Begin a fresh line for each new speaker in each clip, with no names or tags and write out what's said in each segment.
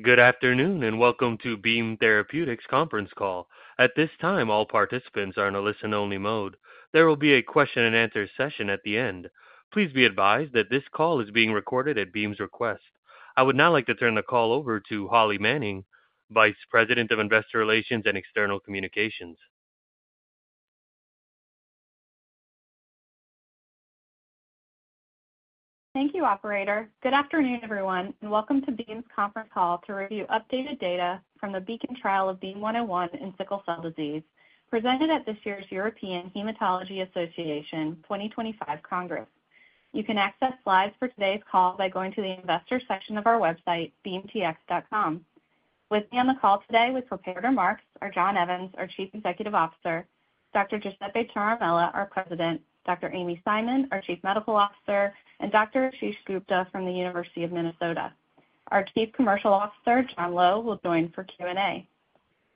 Good afternoon and welcome to Beam Therapeutics' conference call. At this time, all participants are in a listen-only mode. There will be a question-and-answer session at the end. Please be advised that this call is being recorded at Beam's request. I would now like to turn the call over to Holly Manning, Vice President of Investor Relations and External Communications.
Thank you, Operator. Good afternoon, everyone, and welcome to Beam's conference call to review updated data from the BEACON trial of BEAM-101 in sickle cell disease, presented at this year's European Hematology Association 2025 Congress. You can access slides for today's call by going to the investor section of our website, beamtx.com. With me on the call today with prepared remarks are John Evans, our Chief Executive Officer; Dr. Giuseppe Ciaramella, our President; Dr. Amy Simon, our Chief Medical Officer; and Dr. Ashish Gupta from the University of Minnesota. Our Chief Commercial Officer, John Lo, will join for Q&A.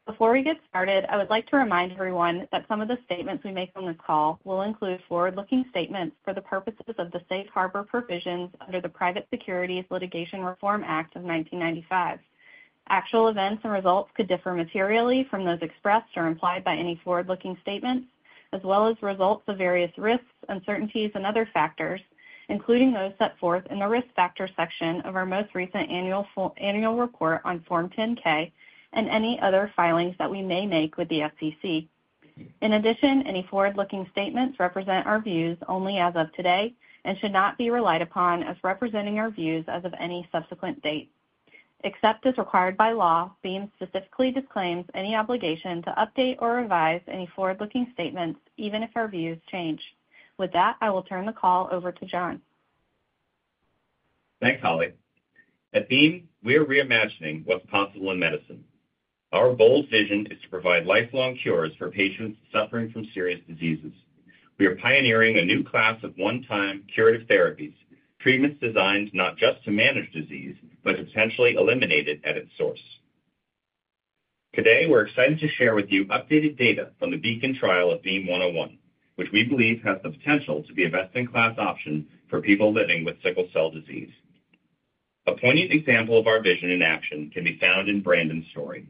Before we get started, I would like to remind everyone that some of the statements we make on this call will include forward-looking statements for the purposes of the Safe Harbor Provisions under the Private Securities Litigation Reform Act of 1995. Actual events and results could differ materially from those expressed or implied by any forward-looking statements, as well as results of various risks, uncertainties, and other factors, including those set forth in the risk factor section of our most recent annual report on Form 10-K and any other filings that we may make with the SEC. In addition, any forward-looking statements represent our views only as of today and should not be relied upon as representing our views as of any subsequent date. Except as required by law, Beam specifically disclaims any obligation to update or revise any forward-looking statements, even if our views change. With that, I will turn the call over to John.
Thanks, Holly. At Beam, we are reimagining what's possible in medicine. Our bold vision is to provide lifelong cures for patients suffering from serious diseases. We are pioneering a new class of one-time curative therapies, treatments designed not just to manage disease, but to potentially eliminate it at its source. Today, we're excited to share with you updated data from the BEACON trial of BEAM-101, which we believe has the potential to be a best-in-class option for people living with sickle cell disease. A poignant example of our vision in action can be found in Brandon's story.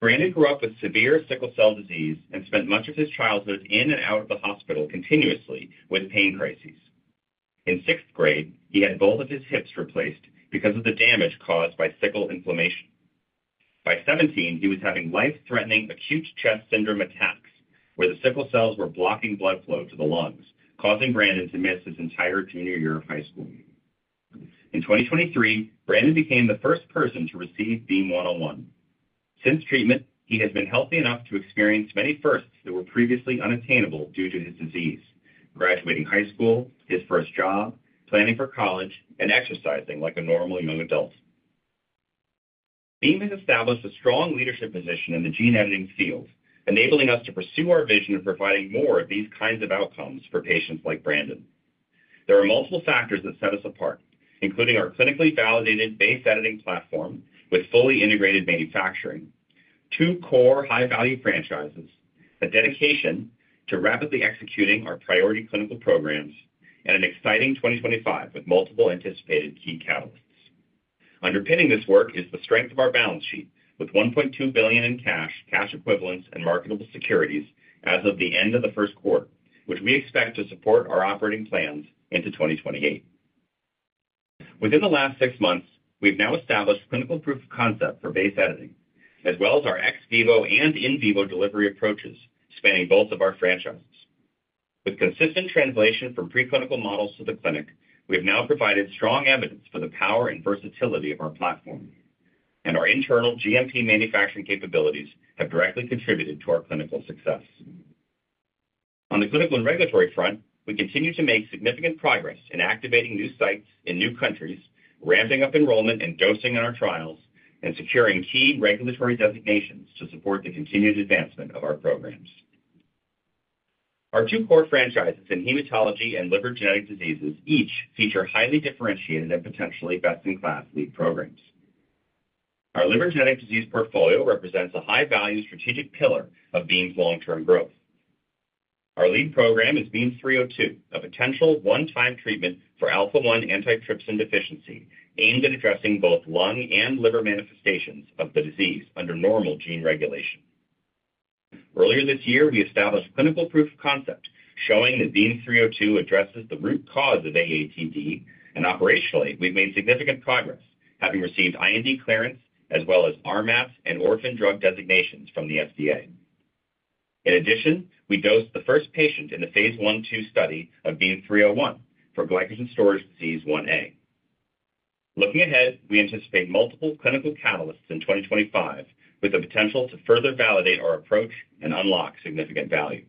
Brandon grew up with severe sickle cell disease and spent much of his childhood in and out of the hospital continuously with pain crises. In sixth grade, he had both of his hips replaced because of the damage caused by sickle inflammation. By 17, he was having life-threatening acute chest syndrome attacks, where the sickle cells were blocking blood flow to the lungs, causing Brandon to miss his entire junior year of high school. In 2023, Brandon became the first person to receive BEAM-101. Since treatment, he has been healthy enough to experience many firsts that were previously unattainable due to his disease: graduating high school, his first job, planning for college, and exercising like a normal young adult. Beam has established a strong leadership position in the gene editing field, enabling us to pursue our vision of providing more of these kinds of outcomes for patients like Brandon. There are multiple factors that set us apart, including our clinically validated base editing platform with fully integrated manufacturing, two core high-value franchises, a dedication to rapidly executing our priority clinical programs, and an exciting 2025 with multiple anticipated key catalysts. Underpinning this work is the strength of our balance sheet, with $1.2 billion in cash, cash equivalents, and marketable securities as of the end of the first quarter, which we expect to support our operating plans into 2028. Within the last six months, we've now established clinical proof of concept for base editing, as well as our ex-vivo and in-vivo delivery approaches spanning both of our franchises. With consistent translation from preclinical models to the clinic, we have now provided strong evidence for the power and versatility of our platform, and our internal GMP manufacturing capabilities have directly contributed to our clinical success. On the clinical and regulatory front, we continue to make significant progress in activating new sites in new countries, ramping up enrollment and dosing in our trials, and securing key regulatory designations to support the continued advancement of our programs. Our two core franchises in hematology and liver genetic diseases each feature highly differentiated and potentially best-in-class lead programs. Our liver genetic disease portfolio represents a high-value strategic pillar of Beam's long-term growth. Our lead program is BEAM-302, a potential one-time treatment for alpha-1 antitrypsin deficiency aimed at addressing both lung and liver manifestations of the disease under normal gene regulation. Earlier this year, we established clinical proof of concept showing that BEAM-302 addresses the root cause of AATD, and operationally, we've made significant progress, having received IND clearance as well as RMAT and orphan drug designations from the FDA. In addition, we dosed the first patient in the phase I/II study of BEAM-301 for glycogen storage disease 1A. Looking ahead, we anticipate multiple clinical catalysts in 2025 with the potential to further validate our approach and unlock significant value.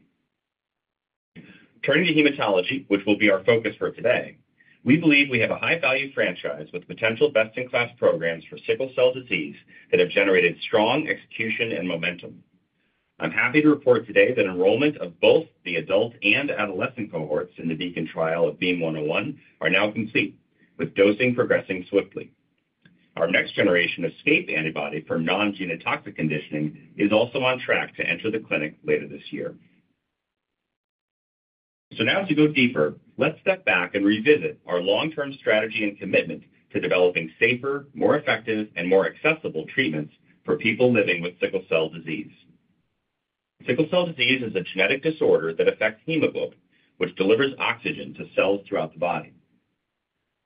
Turning to hematology, which will be our focus for today, we believe we have a high-value franchise with potential best-in-class programs for sickle cell disease that have generated strong execution and momentum. I'm happy to report today that enrollment of both the adult and adolescent cohorts in the BEACON trial of BEAM-101 are now complete, with dosing progressing swiftly. Our next generation of ESCAPE antibody for non-genotoxic conditioning is also on track to enter the clinic later this year. To go deeper, let's step back and revisit our long-term strategy and commitment to developing safer, more effective, and more accessible treatments for people living with sickle cell disease. Sickle cell disease is a genetic disorder that affects hemoglobin, which delivers oxygen to cells throughout the body.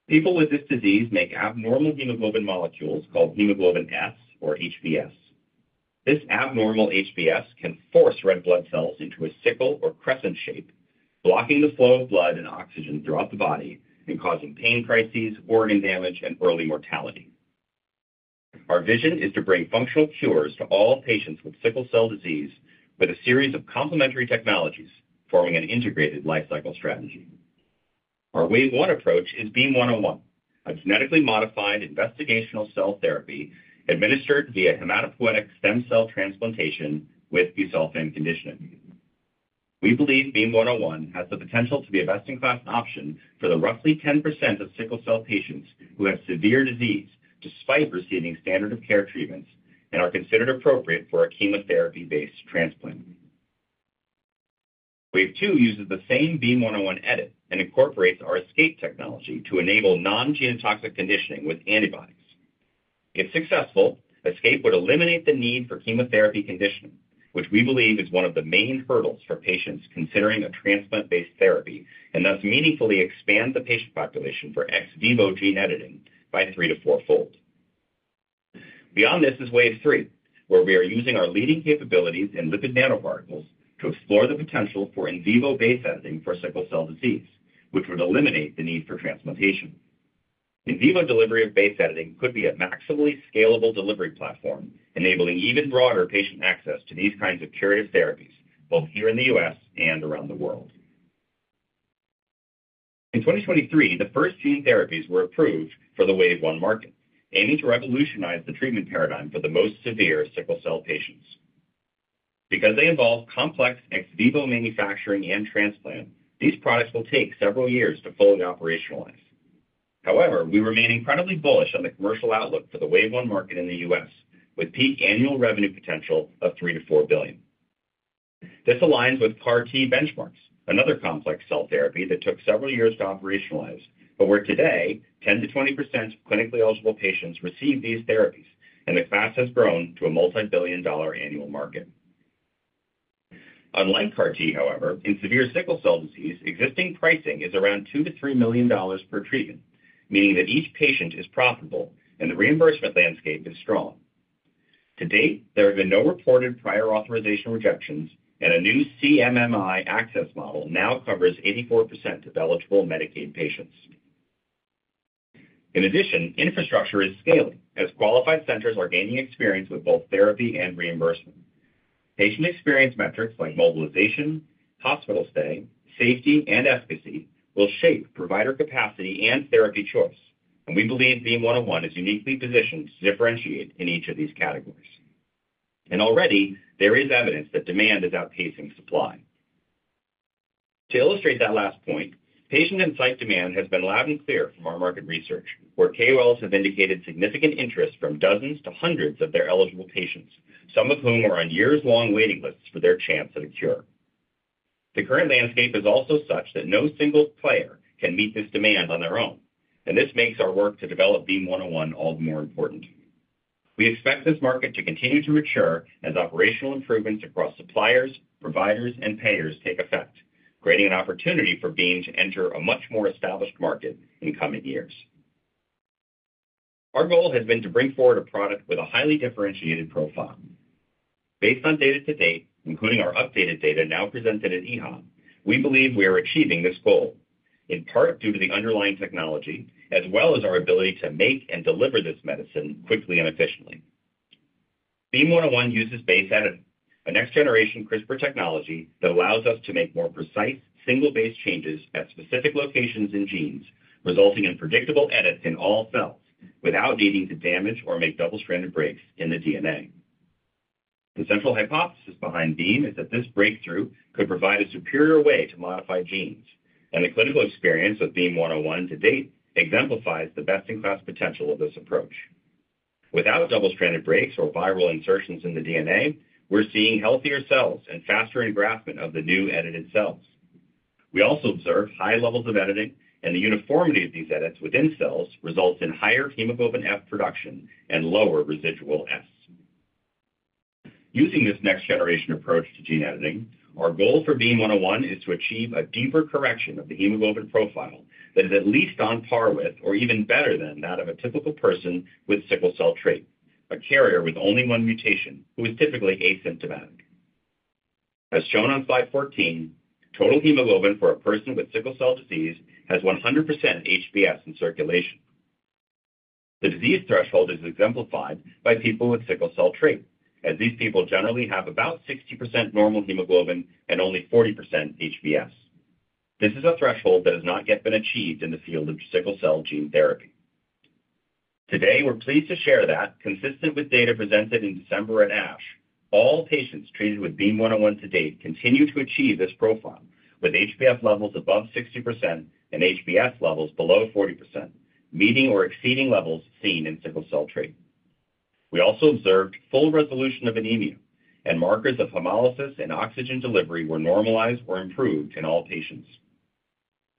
People with this disease make abnormal hemoglobin molecules called hemoglobin S or HbS. This abnormal HbS can force red blood cells into a sickle or crescent shape, blocking the flow of blood and oxygen throughout the body and causing pain crises, organ damage, and early mortality. Our vision is to bring functional cures to all patients with sickle cell disease with a series of complementary technologies, forming an integrated lifecycle strategy. Our wave one approach is BEAM-101, a genetically modified investigational cell therapy administered via hematopoietic stem cell transplantation with busulfan conditioning. We believe BEAM-101 has the potential to be a best-in-class option for the roughly 10% of sickle cell patients who have severe disease despite receiving standard-of-care treatments and are considered appropriate for a chemotherapy-based transplant. Wave two uses the same BEAM-101 edit and incorporates our ESCAPE technology to enable non-genotoxic conditioning with antibodies. If successful, ESCAPE would eliminate the need for chemotherapy conditioning, which we believe is one of the main hurdles for patients considering a transplant-based therapy and thus meaningfully expand the patient population for ex-vivo gene editing by three- to four-fold. Beyond this is wave three, where we are using our leading capabilities in lipid nanoparticles to explore the potential for in-vivo base editing for sickle cell disease, which would eliminate the need for transplantation. In-vivo delivery of base editing could be a maximally scalable delivery platform, enabling even broader patient access to these kinds of curative therapies, both here in the U.S. and around the world. In 2023, the first gene therapies were approved for the wave one market, aiming to revolutionize the treatment paradigm for the most severe sickle cell patients. Because they involve complex ex-vivo manufacturing and transplant, these products will take several years to fully operationalize. However, we remain incredibly bullish on the commercial outlook for the wave one market in the U.S., with peak annual revenue potential of $3 billion-$4 billion. This aligns with CAR-T benchmarks, another complex cell therapy that took several years to operationalize, but where today, 10%-20% of clinically eligible patients receive these therapies, and the class has grown to a multi-billion dollar annual market. Unlike CAR-T, however, in severe sickle cell disease, existing pricing is around $2 million-$3 million per treatment, meaning that each patient is profitable and the reimbursement landscape is strong. To date, there have been no reported prior authorization rejections, and a new CMMI access model now covers 84% of eligible Medicaid patients. In addition, infrastructure is scaling as qualified centers are gaining experience with both therapy and reimbursement. Patient experience metrics like mobilization, hospital stay, safety, and efficacy will shape provider capacity and therapy choice, and we believe BEAM-101 is uniquely positioned to differentiate in each of these categories. Already, there is evidence that demand is outpacing supply. To illustrate that last point, patient and site demand has been loud and clear from our market research, where KOLs have indicated significant interest from dozens to hundreds of their eligible patients, some of whom are on years-long waiting lists for their chance at a cure. The current landscape is also such that no single player can meet this demand on their own, and this makes our work to develop BEAM-101 all the more important. We expect this market to continue to mature as operational improvements across suppliers, providers, and payers take effect, creating an opportunity for Beam to enter a much more established market in coming years. Our goal has been to bring forward a product with a highly differentiated profile. Based on data to date, including our updated data now presented at EHA, we believe we are achieving this goal, in part due to the underlying technology, as well as our ability to make and deliver this medicine quickly and efficiently. BEAM-101 uses base editing, a next-generation CRISPR technology that allows us to make more precise, single-base changes at specific locations in genes, resulting in predictable edits in all cells without needing to damage or make double-stranded breaks in the DNA. The central hypothesis behind Beam is that this breakthrough could provide a superior way to modify genes, and the clinical experience with BEAM-101 to date exemplifies the best-in-class potential of this approach. Without double-stranded breaks or viral insertions in the DNA, we're seeing healthier cells and faster engraftment of the new edited cells. We also observe high levels of editing, and the uniformity of these edits within cells results in higher hemoglobin F production and lower residual S. Using this next-generation approach to gene editing, our goal for BEAM-101 is to achieve a deeper correction of the hemoglobin profile that is at least on par with, or even better than, that of a typical person with sickle cell trait, a carrier with only one mutation who is typically asymptomatic. As shown on slide 14, total hemoglobin for a person with sickle cell disease has 100% HbS in circulation. The disease threshold is exemplified by people with sickle cell trait, as these people generally have about 60% normal hemoglobin and only 40% HbS. This is a threshold that has not yet been achieved in the field of sickle cell gene therapy. Today, we're pleased to share that, consistent with data presented in December at ASH, all patients treated with BEAM-101 to date continue to achieve this profile with HbF levels above 60% and HbS levels below 40%, meeting or exceeding levels seen in sickle cell trait. We also observed full resolution of anemia, and markers of hemolysis and oxygen delivery were normalized or improved in all patients.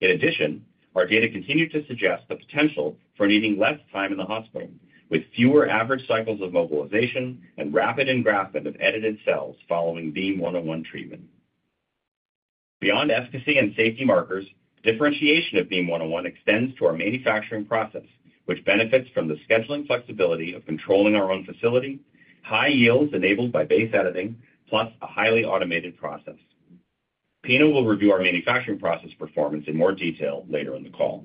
In addition, our data continue to suggest the potential for needing less time in the hospital, with fewer average cycles of mobilization and rapid engraftment of edited cells following BEAM-101 treatment. Beyond efficacy and safety markers, differentiation of BEAM-101 extends to our manufacturing process, which benefits from the scheduling flexibility of controlling our own facility, high yields enabled by base editing, plus a highly automated process. Pino will review our manufacturing process performance in more detail later in the call.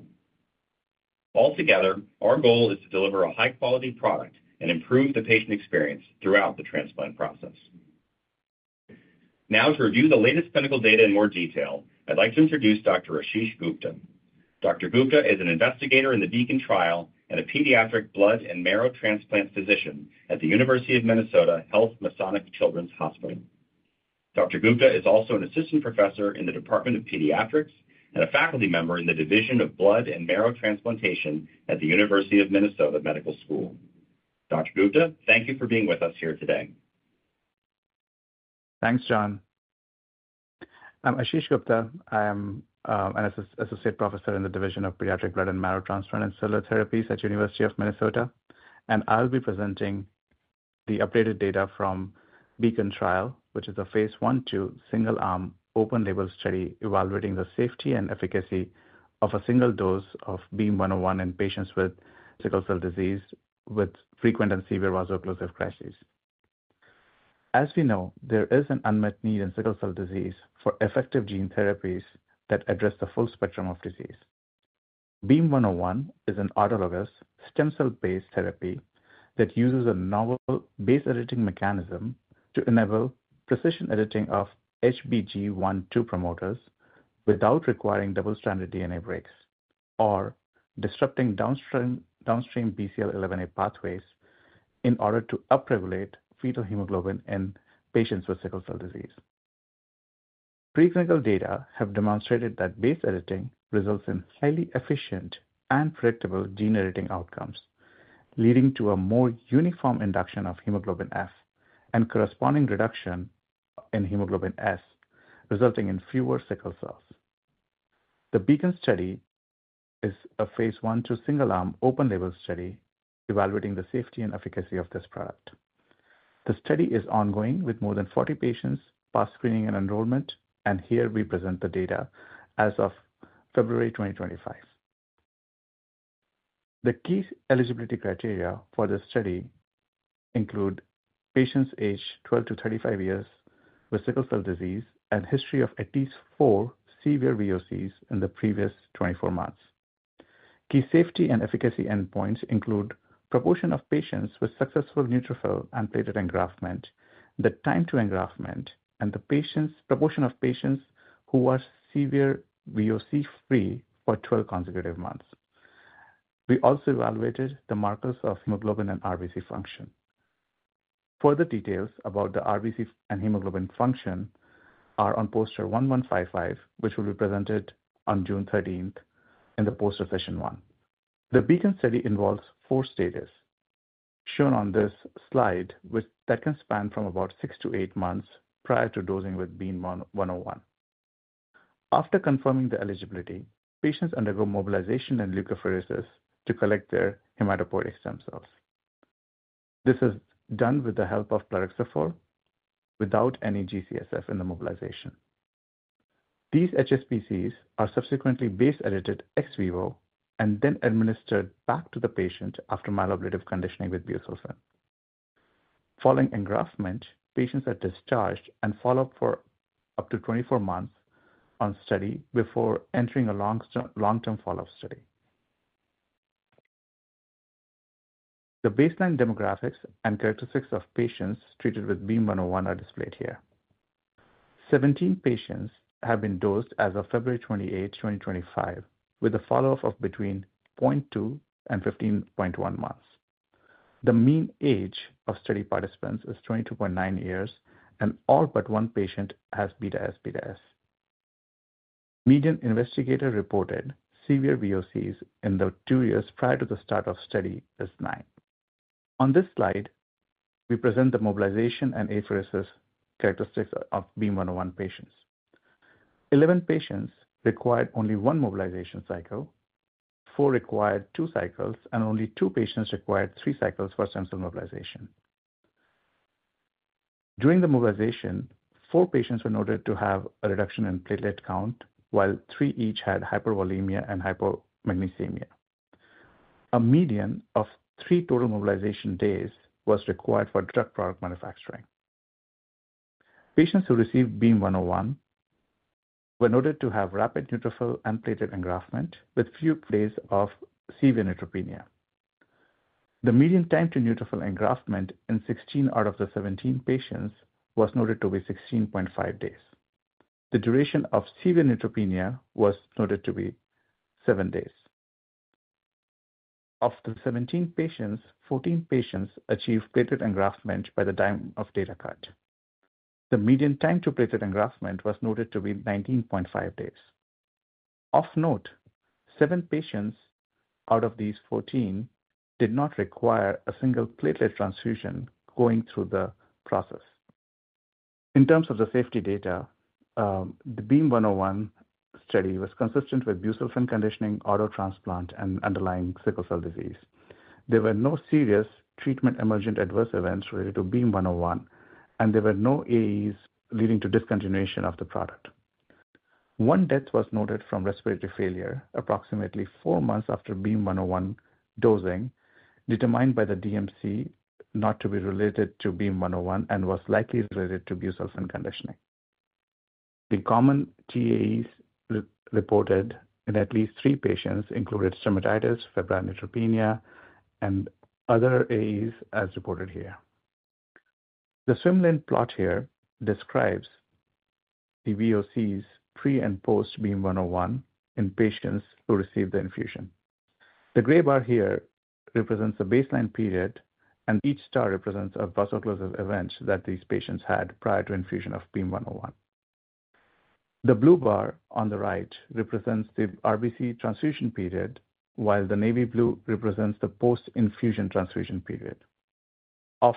Altogether, our goal is to deliver a high-quality product and improve the patient experience throughout the transplant process. Now, to review the latest clinical data in more detail, I'd like to introduce Dr. Ashish Gupta. Dr. Gupta is an investigator in the BEACON trial and a pediatric blood and marrow transplant physician at the University of Minnesota Health Masonic Children's Hospital. Dr. Gupta is also an assistant professor in the Department of Pediatrics and a faculty member in the Division of Blood and Marrow Transplantation at the University of Minnesota Medical School. Dr. Gupta, thank you for being with us here today.
Thanks, John. I'm Ashish Gupta. I am an Associate Professor in the Division of Pediatric Blood and Marrow Transplant and Cellular Therapies at the University of Minnesota, and I'll be presenting the updated data from the BEACON trial, which is a phase I/II single-arm open-label study evaluating the safety and efficacy of a single dose of BEAM-101 in patients with sickle cell disease with frequent and severe vaso-occlusive crises. As we know, there is an unmet need in sickle cell disease for effective gene therapies that address the full spectrum of disease. BEAM-101 is an autologous stem cell-based therapy that uses a novel base editing mechanism to enable precision editing of HBG1/2 promoters without requiring double-stranded DNA breaks or disrupting downstream BCL11A pathways in order to upregulate fetal hemoglobin in patients with sickle cell disease. Preclinical data have demonstrated that base editing results in highly efficient and predictable gene editing outcomes, leading to a more uniform induction of hemoglobin F and corresponding reduction in hemoglobin S, resulting in fewer sickle cells. The BEACON study is a phase I/II single-arm open-label study evaluating the safety and efficacy of this product. The study is ongoing with more than 40 patients past screening and enrollment, and here we present the data as of February 2025. The key eligibility criteria for the study include patients aged 12 to 35 years with sickle cell disease and history of at least four severe VOCs in the previous 24 months. Key safety and efficacy endpoints include proportion of patients with successful neutrophil and platelet engraftment, the time to engraftment, and the proportion of patients who are severe VOC-free for 12 consecutive months. We also evaluated the markers of hemoglobin and RBC function. Further details about the RBC and hemoglobin function are on poster 1155, which will be presented on June 13th in the poster session one. The BEACON study involves four stages, shown on this slide, which can span from about six to eight months prior to dosing with BEAM-101. After confirming the eligibility, patients undergo mobilization and leukapheresis to collect their hematopoietic stem cells. This is done with the help of plerixafor without any GCSF in the mobilization. These HSCs are subsequently base edited ex vivo and then administered back to the patient after myeloablative conditioning with busulfan. Following engraftment, patients are discharged and follow up for up to 24 months on study before entering a long-term follow-up study. The baseline demographics and characteristics of patients treated with BEAM-101 are displayed here. Seventeen patients have been dosed as of February 28, 2025, with a follow-up of between 0.2 months-15.1 months. The mean age of study participants is 22.9 years, and all but one patient has beta S, beta S. Median investigator-reported severe VOCs in the two years prior to the start of study is nine. On this slide, we present the mobilization and apheresis characteristics of BEAM-101 patients. Eleven patients required only one mobilization cycle, four required two cycles, and only two patients required three cycles for stem cell mobilization. During the mobilization, four patients were noted to have a reduction in platelet count, while three each had hypervolemia and hypomagnesemia. A median of three total mobilization days was required for drug product manufacturing. Patients who received BEAM-101 were noted to have rapid neutrophil and platelet engraftment with few days of severe neutropenia. The median time to neutrophil engraftment in 16 out of the 17 patients was noted to be 16.5 days. The duration of severe neutropenia was noted to be seven days. Of the 17 patients, 14 patients achieved platelet engraftment by the time of data cut. The median time to platelet engraftment was noted to be 19.5 days. Of note, seven patients out of these 14 did not require a single platelet transfusion going through the process. In terms of the safety data, the BEAM-101 study was consistent with busulfan conditioning, autotransplant, and underlying sickle cell disease. There were no serious treatment emergent adverse events related to BEAM-101, and there were no AEs leading to discontinuation of the product. One death was noted from respiratory failure approximately four months after BEAM-101 dosing, determined by the DMC not to be related to BEAM-101 and was likely related to busulfan conditioning. The common TAEs reported in at least three patients included stomatitis, febrile neutropenia, and other AEs as reported here. The swim lane plot here describes the VOCs pre and post BEAM-101 in patients who received the infusion. The gray bar here represents the baseline period, and each star represents a vaso-occlusive event that these patients had prior to infusion of BEAM-101. The blue bar on the right represents the RBC transfusion period, while the navy blue represents the post-infusion transfusion period. Of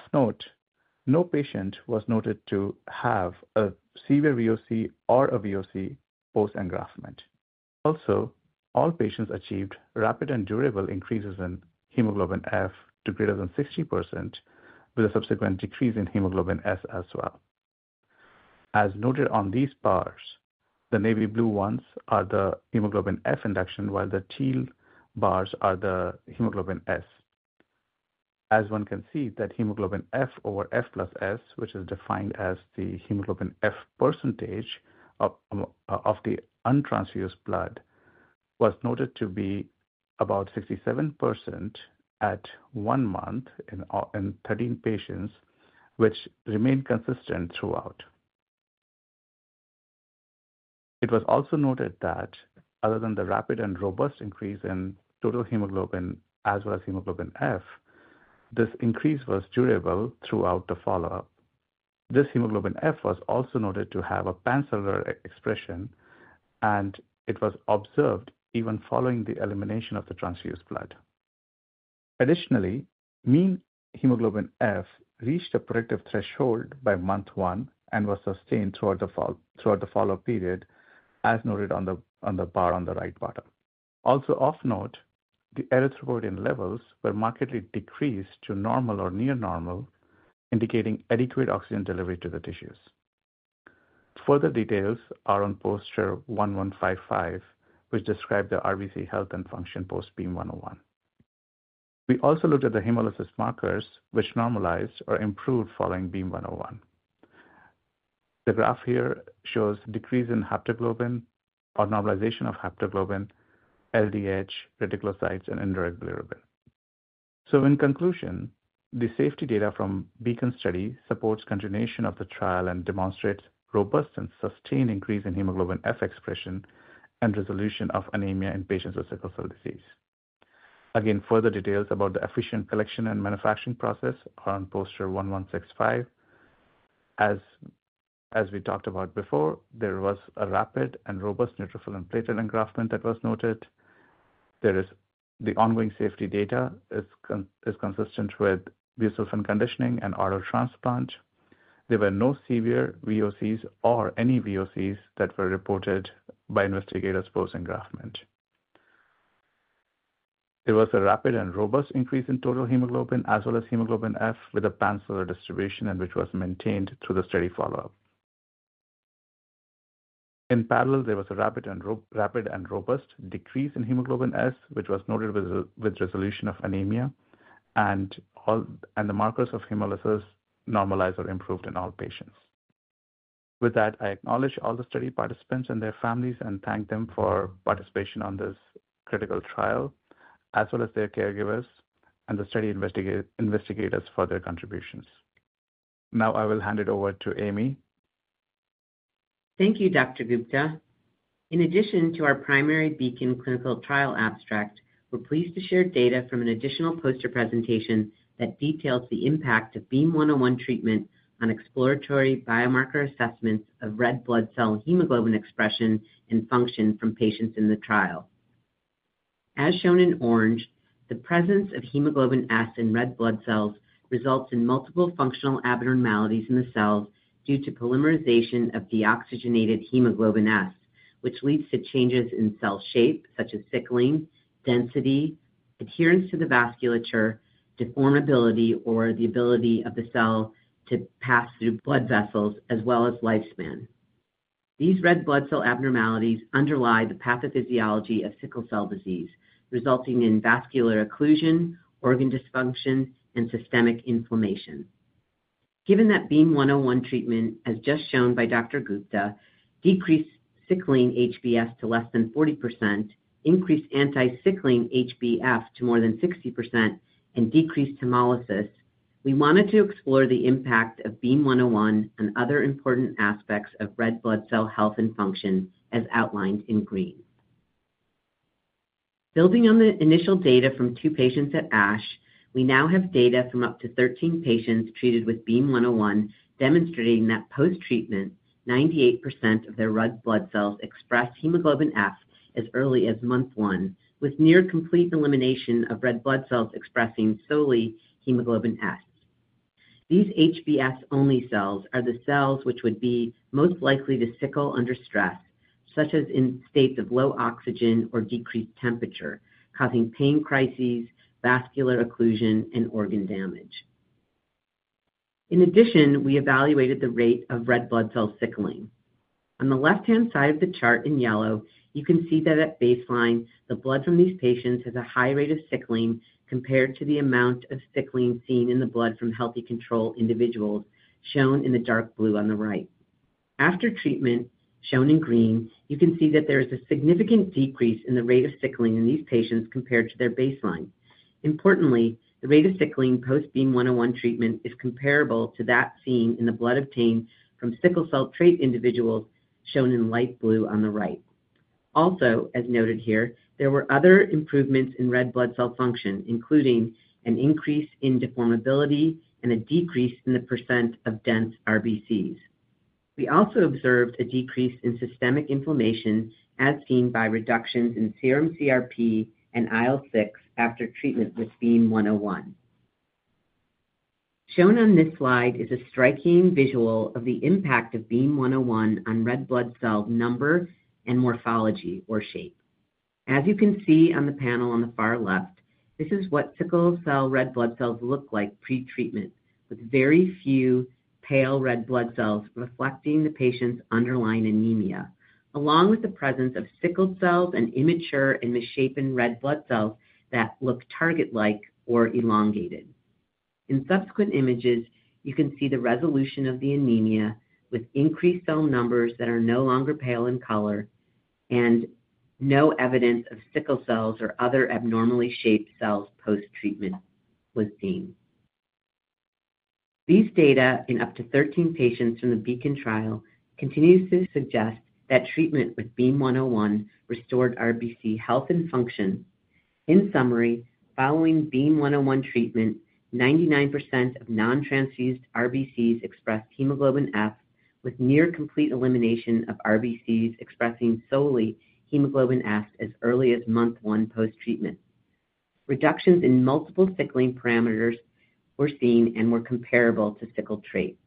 note, no patient was noted to have a severe VOC or a VOC post-engraftment. Also, all patients achieved rapid and durable increases in hemoglobin F to greater than 60%, with a subsequent decrease in hemoglobin S as well. As noted on these bars, the navy blue ones are the hemoglobin F induction, while the teal bars are the hemoglobin S. As one can see, that hemoglobin F over F plus S, which is defined as the hemoglobin F percentage of the untransfused blood, was noted to be about 67% at one month in 13 patients, which remained consistent throughout. It was also noted that other than the rapid and robust increase in total hemoglobin as well as hemoglobin F, this increase was durable throughout the follow-up. This hemoglobin F was also noted to have a pancellular expression, and it was observed even following the elimination of the transfused blood. Additionally, mean hemoglobin F reached a predictive threshold by month one and was sustained throughout the follow-up period, as noted on the bar on the right bottom. Also, of note, the erythropoietin levels were markedly decreased to normal or near normal, indicating adequate oxygen delivery to the tissues. Further details are on poster 1155, which described the RBC health and function post BEAM-101. We also looked at the hemolysis markers, which normalized or improved following BEAM-101. The graph here shows decrease in haptoglobin or normalization of haptoglobin, LDH, reticulocytes, and indirect bilirubin. In conclusion, the safety data from BEACON study supports continuation of the trial and demonstrates robust and sustained increase in hemoglobin F expression and resolution of anemia in patients with sickle cell disease. Again, further details about the efficient collection and manufacturing process are on poster 1165. As we talked about before, there was a rapid and robust neutrophil and platelet engraftment that was noted. The ongoing safety data is consistent with busulfan conditioning and autotransplant. There were no severe VOCs or any VOCs that were reported by investigators post-engraftment. There was a rapid and robust increase in total hemoglobin as well as hemoglobin F with a pancellular distribution, which was maintained through the study follow-up. In parallel, there was a rapid and robust decrease in hemoglobin S, which was noted with resolution of anemia, and the markers of hemolysis normalized or improved in all patients. With that, I acknowledge all the study participants and their families and thank them for participation on this critical trial, as well as their caregivers and the study investigators for their contributions. Now, I will hand it over to Amy.
Thank you, Dr. Gupta. In addition to our primary BEACON clinical trial abstract, we're pleased to share data from an additional poster presentation that details the impact of BEAM-101 treatment on exploratory biomarker assessments of red blood cell hemoglobin expression and function from patients in the trial. As shown in orange, the presence of hemoglobin S in red blood cells results in multiple functional abnormalities in the cells due to polymerization of deoxygenated hemoglobin S, which leads to changes in cell shape, such as sickling, density, adherence to the vasculature, deformability, or the ability of the cell to pass through blood vessels, as well as lifespan. These red blood cell abnormalities underlie the pathophysiology of sickle cell disease, resulting in vascular occlusion, organ dysfunction, and systemic inflammation. Given that BEAM-101 treatment, as just shown by Dr. Gupta, decreased sickling HbS to less than 40%, increased anti-sickling HbF to more than 60%, and decreased hemolysis, we wanted to explore the impact of BEAM-101 and other important aspects of red blood cell health and function, as outlined in green. Building on the initial data from two patients at ASH, we now have data from up to 13 patients treated with BEAM-101 demonstrating that post-treatment, 98% of their red blood cells expressed hemoglobin F as early as month one, with near complete elimination of red blood cells expressing solely hemoglobin S. These HbS-only cells are the cells which would be most likely to sickle under stress, such as in states of low oxygen or decreased temperature, causing pain crises, vascular occlusion, and organ damage. In addition, we evaluated the rate of red blood cell sickling. On the left-hand side of the chart in yellow, you can see that at baseline, the blood from these patients has a high rate of sickling compared to the amount of sickling seen in the blood from healthy control individuals, shown in the dark blue on the right. After treatment, shown in green, you can see that there is a significant decrease in the rate of sickling in these patients compared to their baseline. Importantly, the rate of sickling post-BEAM-101 treatment is comparable to that seen in the blood obtained from sickle cell trait individuals, shown in light blue on the right. Also, as noted here, there were other improvements in red blood cell function, including an increase in deformability and a decrease in the percent of dense RBCs. We also observed a decrease in systemic inflammation, as seen by reductions in serum CRP and IL-6 after treatment with BEAM-101. Shown on this slide is a striking visual of the impact of BEAM-101 on red blood cell number and morphology or shape. As you can see on the panel on the far left, this is what sickle cell red blood cells look like pre-treatment, with very few pale red blood cells reflecting the patient's underlying anemia, along with the presence of sickled cells and immature and misshapen red blood cells that look target-like or elongated. In subsequent images, you can see the resolution of the anemia with increased cell numbers that are no longer pale in color and no evidence of sickle cells or other abnormally shaped cells post-treatment was seen. These data in up to 13 patients from the BEACON trial continue to suggest that treatment with BEAM-101 restored RBC health and function. In summary, following BEAM-101 treatment, 99% of non-transfused RBCs expressed hemoglobin F with near complete elimination of RBCs expressing solely hemoglobin F as early as month one post-treatment. Reductions in multiple sickling parameters were seen and were comparable to sickle trait.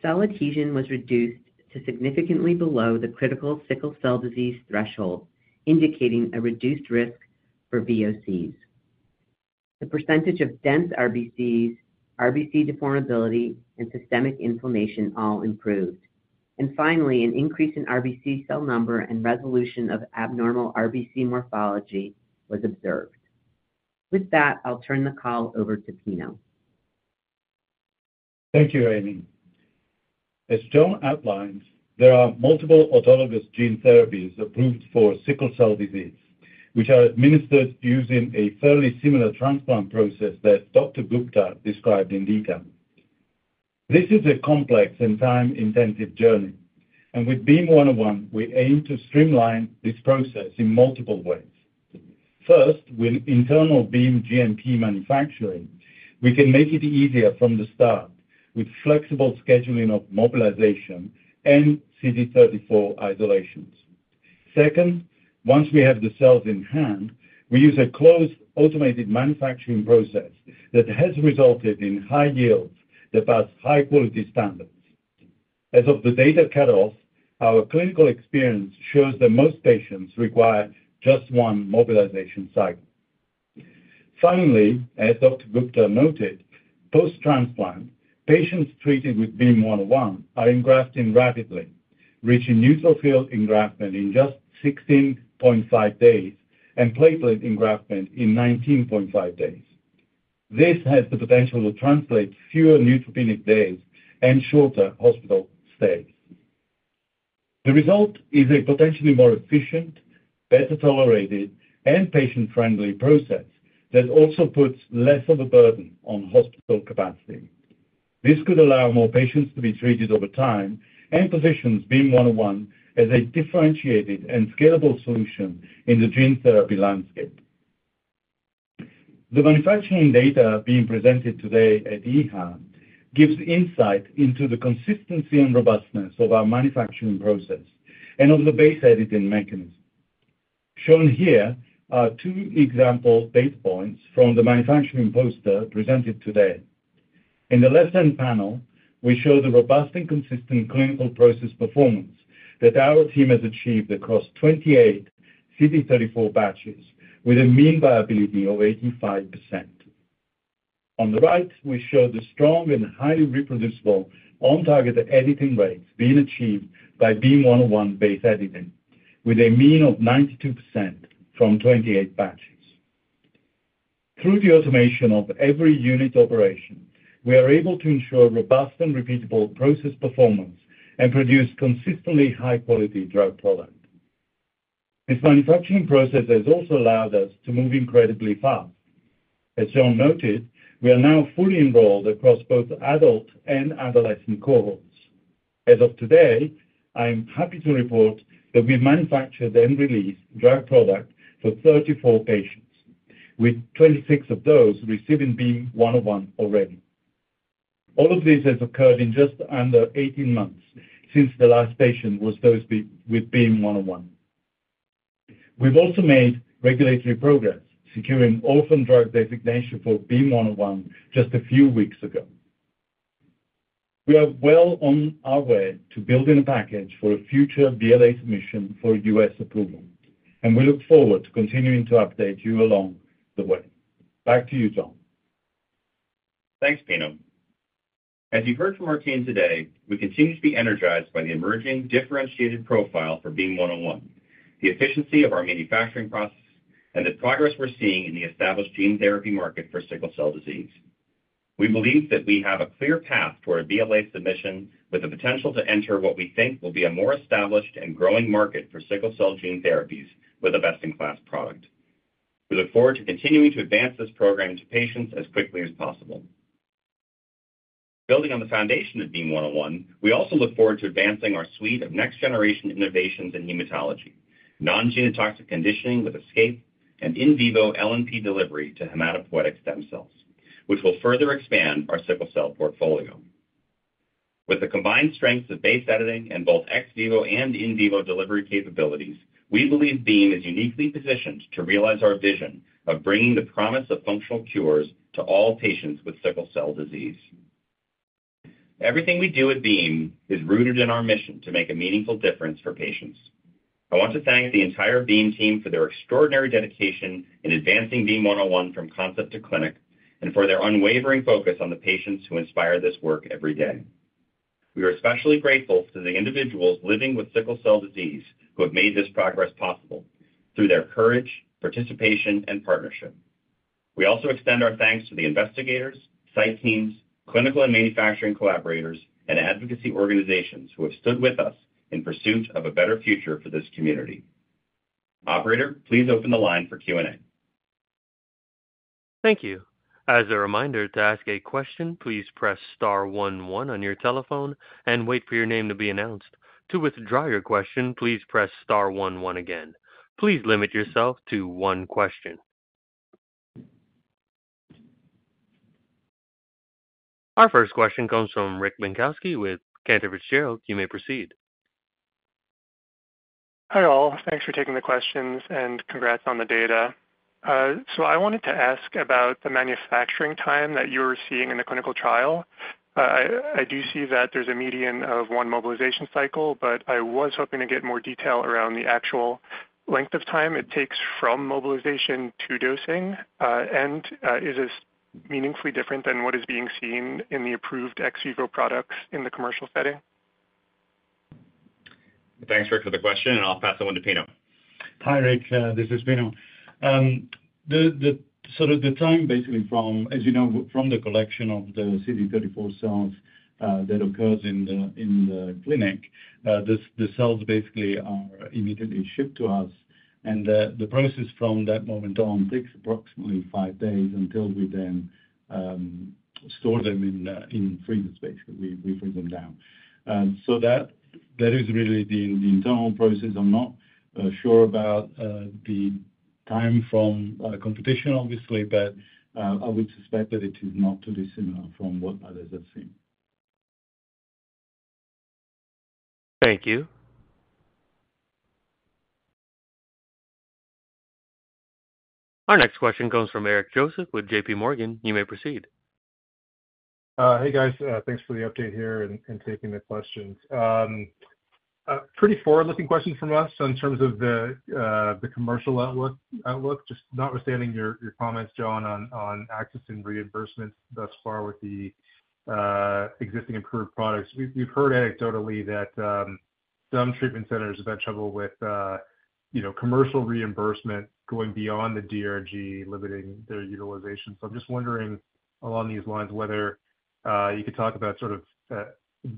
Cell adhesion was reduced to significantly below the critical sickle cell disease threshold, indicating a reduced risk for VOCs. The percentage of dense RBCs, RBC deformability, and systemic inflammation all improved. Finally, an increase in RBC cell number and resolution of abnormal RBC morphology was observed. With that, I'll turn the call over to Pino.
Thank you, Amy. As John outlined, there are multiple autologous gene therapies approved for sickle cell disease, which are administered using a fairly similar transplant process that Dr. Gupta described in detail. This is a complex and time-intensive journey, and with BEAM-101, we aim to streamline this process in multiple ways. First, with internal Beam GMP manufacturing, we can make it easier from the start with flexible scheduling of mobilization and CD34 isolations. Second, once we have the cells in hand, we use a closed automated manufacturing process that has resulted in high yields that pass high-quality standards. As of the data cutoff, our clinical experience shows that most patients require just one mobilization cycle. Finally, as Dr. Gupta noted, post-transplant, patients treated with BEAM-101 are engrafting rapidly, reaching neutrophil engraftment in just 16.5 days and platelet engraftment in 19.5 days. This has the potential to translate to fewer neutropenic days and shorter hospital stays. The result is a potentially more efficient, better tolerated, and patient-friendly process that also puts less of a burden on hospital capacity. This could allow more patients to be treated over time and positions BEAM-101 as a differentiated and scalable solution in the gene therapy landscape. The manufacturing data being presented today at EHA gives insight into the consistency and robustness of our manufacturing process and of the base editing mechanism. Shown here are two example data points from the manufacturing poster presented today. In the left-hand panel, we show the robust and consistent clinical process performance that our team has achieved across 28 CD34 batches with a mean viability of 85%. On the right, we show the strong and highly reproducible on-target editing rates being achieved by BEAM-101 base editing with a mean of 92% from 28 batches. Through the automation of every unit operation, we are able to ensure robust and repeatable process performance and produce consistently high-quality drug product. This manufacturing process has also allowed us to move incredibly fast. As John noted, we are now fully enrolled across both adult and adolescent cohorts. As of today, I'm happy to report that we've manufactured and released drug product for 34 patients, with 26 of those receiving BEAM-101 already. All of this has occurred in just under 18 months since the last patient was dosed with BEAM-101. We've also made regulatory progress, securing orphan drug designation for BEAM-101 just a few weeks ago. We are well on our way to building a package for a future VLA submission for U.S. approval, and we look forward to continuing to update you along the way. Back to you, John.
Thanks, Pino. As you've heard from our team today, we continue to be energized by the emerging differentiated profile for BEAM-101, the efficiency of our manufacturing process, and the progress we're seeing in the established gene therapy market for sickle cell disease. We believe that we have a clear path toward a VLA submission with the potential to enter what we think will be a more established and growing market for sickle cell gene therapies with a best-in-class product. We look forward to continuing to advance this program to patients as quickly as possible. Building on the foundation of BEAM-101, we also look forward to advancing our suite of next-generation innovations in hematology: non-genotoxic conditioning with ESCAPE and in vivo LNP delivery to hematopoietic stem cells, which will further expand our sickle cell portfolio. With the combined strengths of base editing and both ex vivo and in vivo delivery capabilities, we believe Beam is uniquely positioned to realize our vision of bringing the promise of functional cures to all patients with sickle cell disease. Everything we do at Beam is rooted in our mission to make a meaningful difference for patients. I want to thank the entire Beam team for their extraordinary dedication in advancing BEAM-101 from concept to clinic and for their unwavering focus on the patients who inspire this work every day. We are especially grateful to the individuals living with sickle cell disease who have made this progress possible through their courage, participation, and partnership. We also extend our thanks to the investigators, site teams, clinical and manufacturing collaborators, and advocacy organizations who have stood with us in pursuit of a better future for this community. Operator, please open the line for Q&A.
Thank you. As a reminder to ask a question, please press star 11 on your telephone and wait for your name to be announced. To withdraw your question, please press star 11 again. Please limit yourself to one question. Our first question comes from Rick Binkowski with Cantor Fitzgerald. You may proceed.
Hi all. Thanks for taking the questions and congrats on the data. I wanted to ask about the manufacturing time that you were seeing in the clinical trial. I do see that there's a median of one mobilization cycle, but I was hoping to get more detail around the actual length of time it takes from mobilization to dosing, and is this meaningfully different than what is being seen in the approved ex vivo products in the commercial setting?
Thanks, Rick, for the question, and I'll pass it on to Pino.
Hi, Rick. This is Pino. The time basically from, as you know, from the collection of the CD34 cells that occurs in the clinic, the cells basically are immediately shipped to us, and the process from that moment on takes approximately five days until we then store them in freezers, basically. We freeze them down. That is really the internal process. I'm not sure about the time from competition, obviously, but I would suspect that it is not too dissimilar from what others have seen.
Thank you. Our next question comes from Eric Joseph with JP Morgan. You may proceed.
Hey, guys. Thanks for the update here and taking the questions. Pretty forward-looking question from us in terms of the commercial outlook, just notwithstanding your comments, John, on access and reimbursements thus far with the existing approved products. We've heard anecdotally that some treatment centers have had trouble with commercial reimbursement going beyond the DRG, limiting their utilization. I'm just wondering along these lines whether you could talk about sort of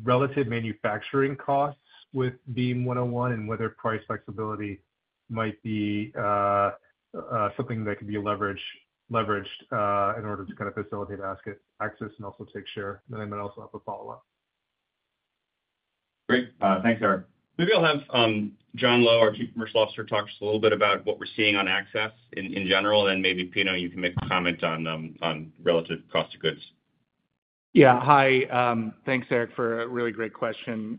relative manufacturing costs with BEAM-101 and whether price flexibility might be something that could be leveraged in order to kind of facilitate access and also take share. I might also have a follow-up.
Great. Thanks, Eric. Maybe I'll have John Lo, our Chief Commercial Officer, talk just a little bit about what we're seeing on access in general, and then maybe Pino, you can make a comment on relative cost of goods.
Yeah. Hi. Thanks, Eric, for a really great question.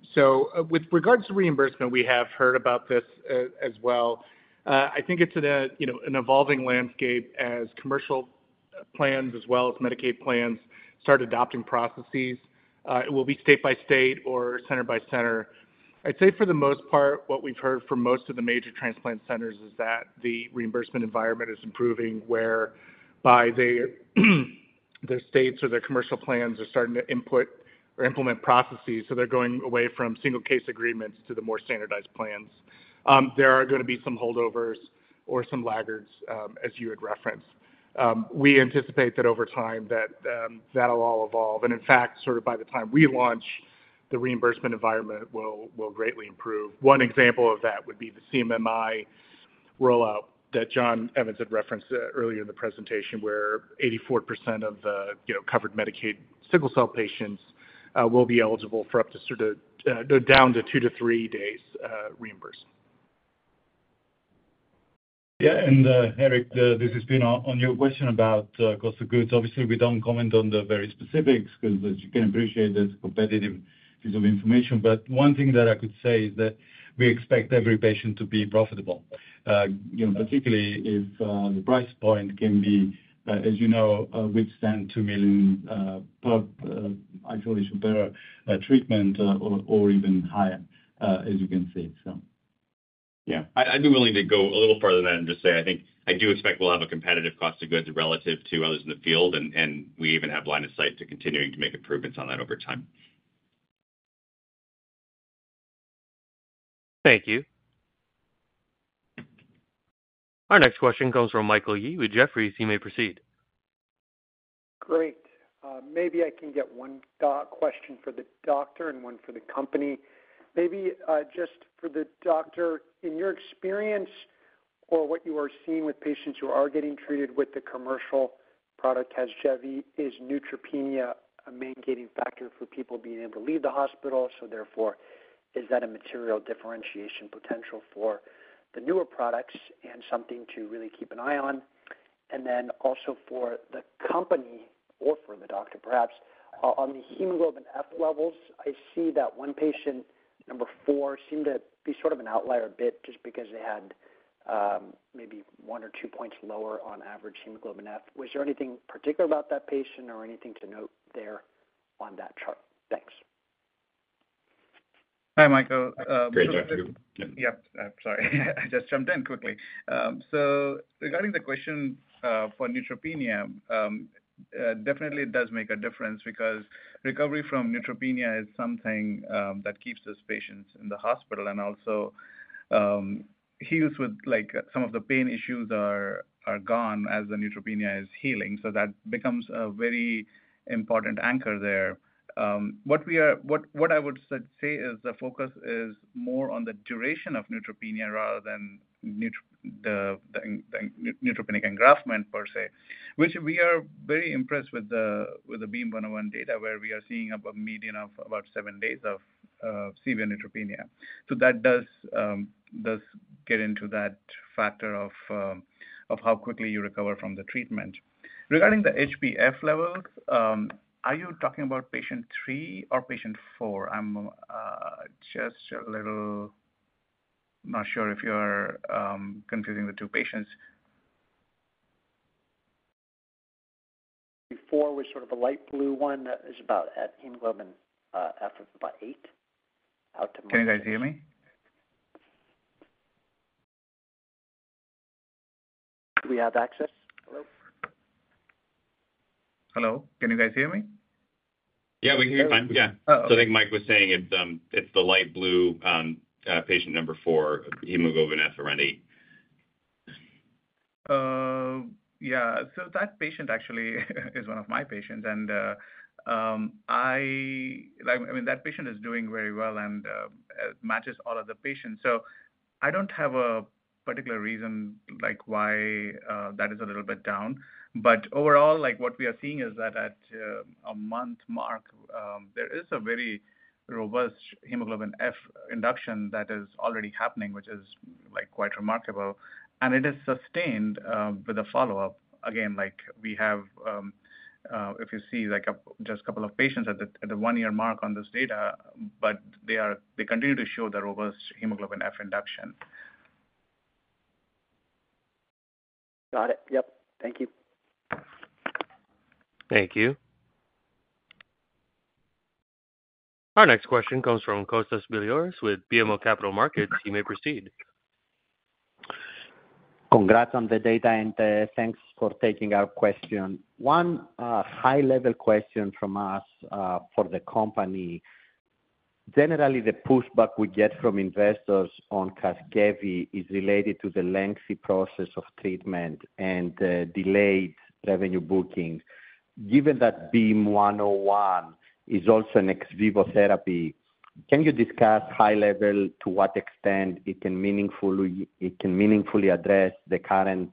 With regards to reimbursement, we have heard about this as well. I think it's an evolving landscape as commercial plans as well as Medicaid plans start adopting processes. It will be state by state or center by center. I'd say for the most part, what we've heard from most of the major transplant centers is that the reimbursement environment is improving whereby their states or their commercial plans are starting to input or implement processes. They're going away from single-case agreements to the more standardized plans. There are going to be some holdovers or some laggards, as you had referenced. We anticipate that over time that that'll all evolve. In fact, sort of by the time we launch, the reimbursement environment will greatly improve. One example of that would be the CMMI rollout that John Evans had referenced earlier in the presentation, where 84% of the covered Medicaid sickle cell patients will be eligible for up to sort of down to two to three days reimbursed.
Yeah. Eric, this has been on your question about cost of goods. Obviously, we do not comment on the very specifics because, as you can appreciate, that is a competitive piece of information. One thing that I could say is that we expect every patient to be profitable, particularly if the price point can be, as you know, withstand $2 million per isolation per treatment or even higher, as you can see.
Yeah. I'd be willing to go a little further than that and just say I think I do expect we'll have a competitive cost of goods relative to others in the field, and we even have line of sight to continuing to make improvements on that over time.
Thank you. Our next question comes from Michael Yee with Jefferies. You may proceed.
Great. Maybe I can get one question for the doctor and one for the company. Maybe just for the doctor, in your experience or what you are seeing with patients who are getting treated with the commercial product as CASGEVY, is neutropenia a main gating factor for people being able to leave the hospital? Therefore, is that a material differentiation potential for the newer products and something to really keep an eye on? Also, for the company or for the doctor, perhaps, on the hemoglobin F levels, I see that one patient, number four, seemed to be sort of an outlier a bit just because they had maybe one or two points lower on average hemoglobin F. Was there anything particular about that patient or anything to note there on that chart? Thanks.
Hi, Michael.
Great. You too.
Yep. Sorry. I just jumped in quickly. Regarding the question for neutropenia, definitely it does make a difference because recovery from neutropenia is something that keeps those patients in the hospital and also heals as some of the pain issues are gone as the neutropenia is healing. That becomes a very important anchor there. What I would say is the focus is more on the duration of neutropenia rather than the neutropenic engraftment per se, which we are very impressed with the BEAM-101 data where we are seeing a median of about seven days of severe neutropenia. That does get into that factor of how quickly you recover from the treatment. Regarding the HbF levels, are you talking about patient three or patient four? I'm just a little not sure if you're confusing the two patients.
Four was sort of a light blue one that is about at hemoglobin F of about eight out to.
Can you guys hear me?
Do we have access? Hello?
Hello. Can you guys hear me?
Yeah, we can hear you fine. Yeah. I think Mike was saying it's the light blue patient number four, hemoglobin F around 8.
Yeah. So that patient actually is one of my patients. And I mean, that patient is doing very well and matches all other patients. I do not have a particular reason why that is a little bit down. Overall, what we are seeing is that at a month mark, there is a very robust hemoglobin F induction that is already happening, which is quite remarkable. It is sustained with a follow-up. Again, we have, if you see, just a couple of patients at the one-year mark on this data, but they continue to show the robust hemoglobin F induction.
Got it. Yep. Thank you.
Thank you. Our next question comes from Kostas Biliouris with BMO Capital Markets. You may proceed.
Congrats on the data, and thanks for taking our question. One high-level question from us for the company. Generally, the pushback we get from investors on CASGEVY is related to the lengthy process of treatment and delayed revenue booking. Given that BEAM-101 is also an ex vivo therapy, can you discuss high-level to what extent it can meaningfully address the current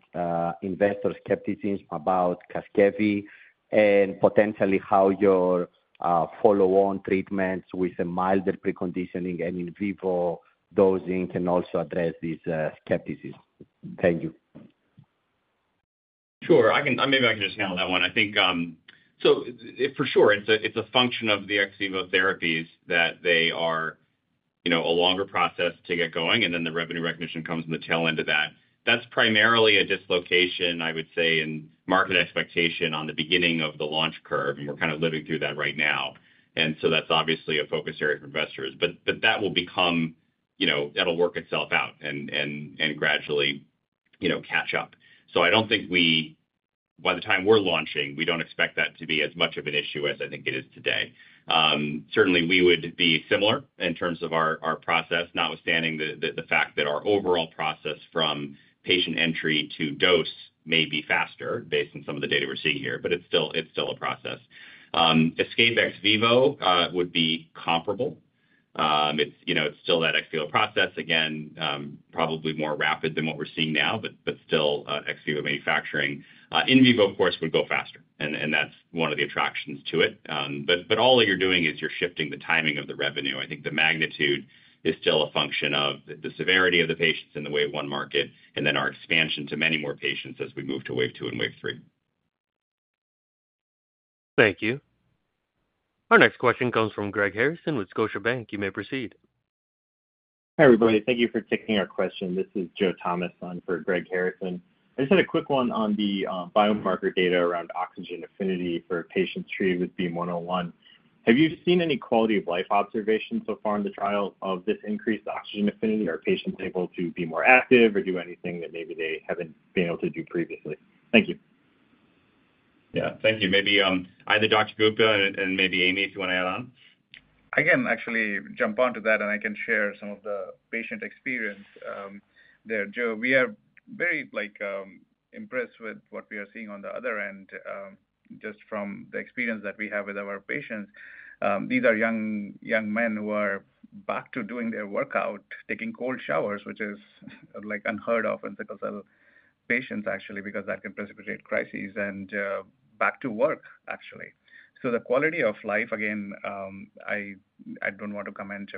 investor skepticism about CASGEVY and potentially how your follow-on treatments with a milder preconditioning and in vivo dosing can also address these skepticisms? Thank you.
Sure. Maybe I can just handle that one. I think, so for sure, it's a function of the ex vivo therapies that they are a longer process to get going, and then the revenue recognition comes in the tail end of that. That's primarily a dislocation, I would say, in market expectation on the beginning of the launch curve, and we're kind of living through that right now. That's obviously a focus area for investors. That will work itself out and gradually catch up. I don't think by the time we're launching, we expect that to be as much of an issue as I think it is today. Certainly, we would be similar in terms of our process, notwithstanding the fact that our overall process from patient entry to dose may be faster based on some of the data we're seeing here, but it's still a process. ESCAPE ex vivo would be comparable. It's still that ex vivo process, again, probably more rapid than what we're seeing now, but still ex vivo manufacturing. In vivo, of course, would go faster, and that's one of the attractions to it. All that you're doing is you're shifting the timing of the revenue. I think the magnitude is still a function of the severity of the patients and the wave one market, and then our expansion to many more patients as we move to wave two and wave three.
Thank you. Our next question comes from Greg Harrison with Scotiabank. You may proceed.
Hi everybody. Thank you for taking our question. This is Joe Thomas on for Greg Harrison. I just had a quick one on the biomarker data around oxygen affinity for patients treated with BEAM-101. Have you seen any quality of life observations so far in the trial of this increased oxygen affinity? Are patients able to be more active or do anything that maybe they haven't been able to do previously? Thank you.
Yeah. Thank you. Maybe either Dr. Gupta, and maybe Amy, if you want to add on.
I can actually jump onto that, and I can share some of the patient experience there. Joe, we are very impressed with what we are seeing on the other end, just from the experience that we have with our patients. These are young men who are back to doing their workout, taking cold showers, which is unheard of in sickle cell patients, actually, because that can precipitate crises, and back to work, actually. The quality of life, again, I do not want to comment.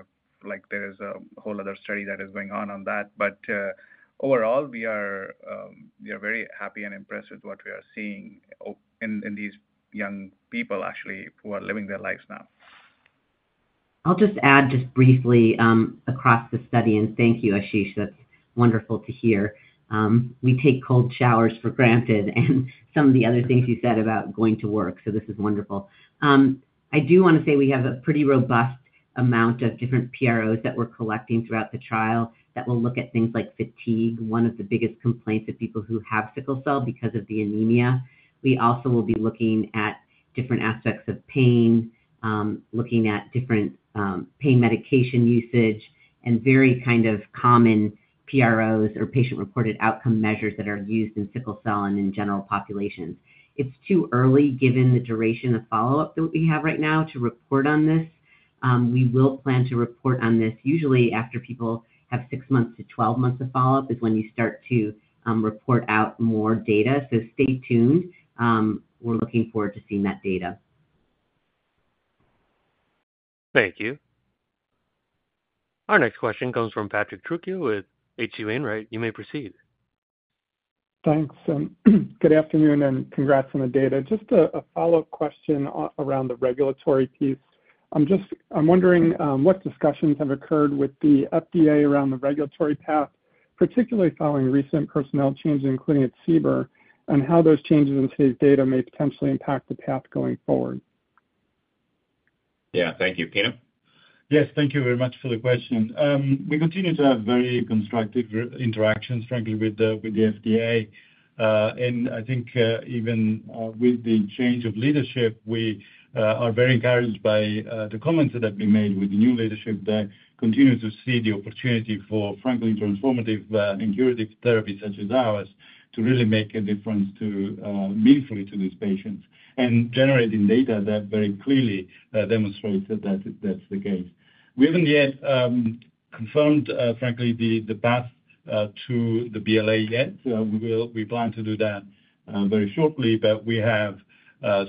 There is a whole other study that is going on on that. Overall, we are very happy and impressed with what we are seeing in these young people, actually, who are living their lives now.
I'll just add just briefly across the study, and thank you, Ashish. That's wonderful to hear. We take cold showers for granted and some of the other things you said about going to work. This is wonderful. I do want to say we have a pretty robust amount of different PROs that we're collecting throughout the trial that will look at things like fatigue, one of the biggest complaints of people who have sickle cell because of the anemia. We also will be looking at different aspects of pain, looking at different pain medication usage, and very kind of common PROs or patient-reported outcome measures that are used in sickle cell and in general populations. It's too early given the duration of follow-up that we have right now to report on this. We will plan to report on this usually after people have six months to 12 months of follow-up is when you start to report out more data. Stay tuned. We're looking forward to seeing that data.
Thank you. Our next question comes from Patrick Trucchio with H.C. Wainwright. You may proceed.
Thanks. Good afternoon and congrats on the data. Just a follow-up question around the regulatory piece. I'm wondering what discussions have occurred with the FDA around the regulatory path, particularly following recent personnel changes, including at CBER, and how those changes and today's data may potentially impact the path going forward.
Yeah. Thank you. Pino?
Yes. Thank you very much for the question. We continue to have very constructive interactions, frankly, with the FDA. I think even with the change of leadership, we are very encouraged by the comments that have been made with the new leadership that continue to see the opportunity for, frankly, transformative and curative therapies such as ours to really make a difference meaningfully to these patients and generating data that very clearly demonstrates that that's the case. We haven't yet confirmed, frankly, the path to the BLA yet. We plan to do that very shortly, but we have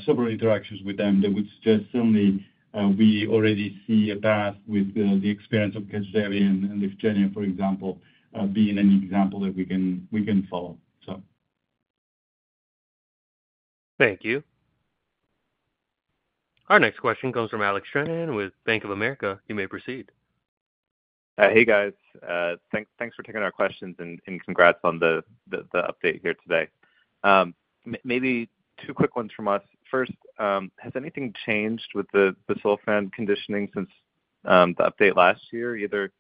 several interactions with them that would suggest certainly we already see a path with the experience of CASGEVY and LYFGENIA, for example, being an example that we can follow, so.
Thank you. Our next question comes from Alex Shenan with Bank of America. You may proceed.
Hey, guys. Thanks for taking our questions and congrats on the update here today. Maybe two quick ones from us. First, has anything changed with the busulfan conditioning since the update last year, either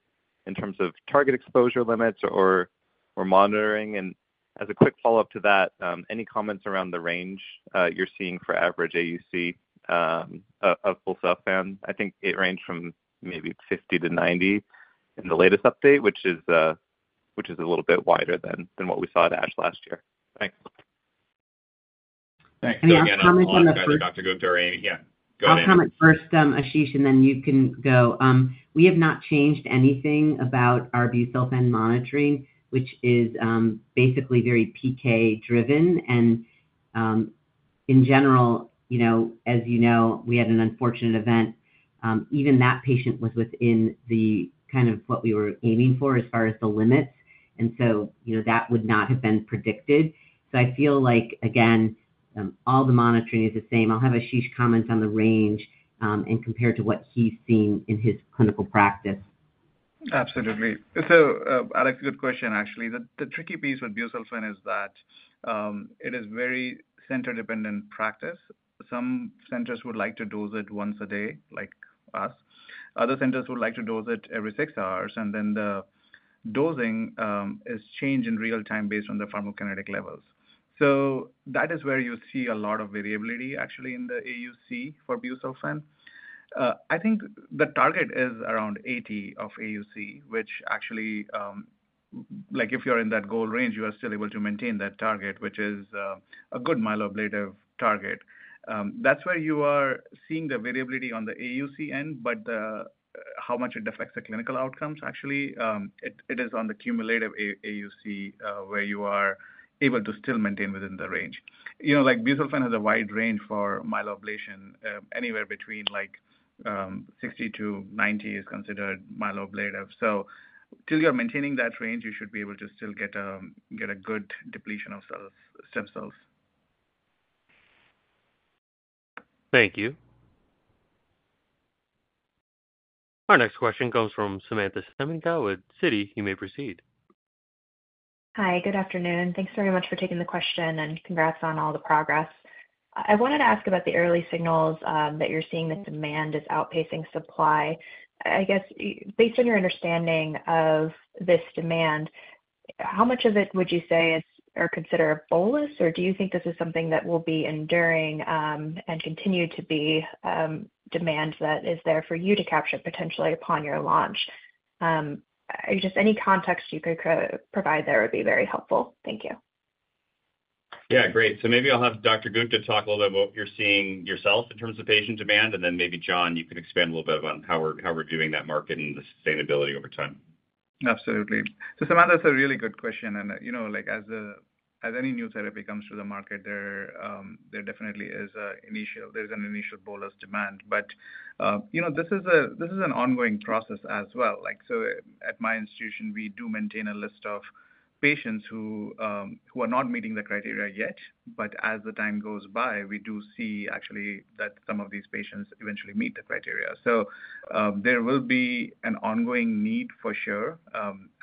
in terms of target exposure limits or monitoring? As a quick follow-up to that, any comments around the range you're seeing for average AUC of busulfan? I think it ranged from maybe 50-90 in the latest update, which is a little bit wider than what we saw at ASH last year. Thanks.
Thanks.
I'll comment first.
Dr. Gupta or Amy. Yeah. Go ahead.
I'll comment first, Ashish, and then you can go. We have not changed anything about our busulfan monitoring, which is basically very PK-driven. In general, as you know, we had an unfortunate event. Even that patient was within kind of what we were aiming for as far as the limits. That would not have been predicted. I feel like, again, all the monitoring is the same. I'll have Ashish comment on the range and compare it to what he's seen in his clinical practice.
Absolutely. Alex, good question, actually. The tricky piece with busulfan is that it is very center-dependent practice. Some centers would like to dose it once a day, like us. Other centers would like to dose it every six hours. The dosing is changed in real time based on the pharmacokinetic levels. That is where you see a lot of variability, actually, in the AUC for busulfan. I think the target is around 80 of AUC, which actually, if you're in that goal range, you are still able to maintain that target, which is a good myeloablative target. That's where you are seeing the variability on the AUC end, but how much it affects the clinical outcomes, actually, it is on the cumulative AUC where you are able to still maintain within the range. Busulfan has a wide range for myeloablation. Anywhere between 60-90 is considered myeloblate. So till you're maintaining that range, you should be able to still get a good depletion of stem cells.
Thank you. Our next question comes from Samantha Semenkow with Citi. You may proceed.
Hi. Good afternoon. Thanks very much for taking the question and congrats on all the progress. I wanted to ask about the early signals that you're seeing that demand is outpacing supply. I guess, based on your understanding of this demand, how much of it would you say is or consider a bolus, or do you think this is something that will be enduring and continue to be demand that is there for you to capture potentially upon your launch? Just any context you could provide there would be very helpful. Thank you.
Yeah. Great. Maybe I'll have Dr. Gupta talk a little bit about what you're seeing yourself in terms of patient demand. Then maybe John, you can expand a little bit on how we're viewing that market and the sustainability over time.
Absolutely. Samantha, that's a really good question. As any new therapy comes to the market, there definitely is an initial bolus demand. This is an ongoing process as well. At my institution, we do maintain a list of patients who are not meeting the criteria yet. As time goes by, we do see actually that some of these patients eventually meet the criteria. There will be an ongoing need for sure.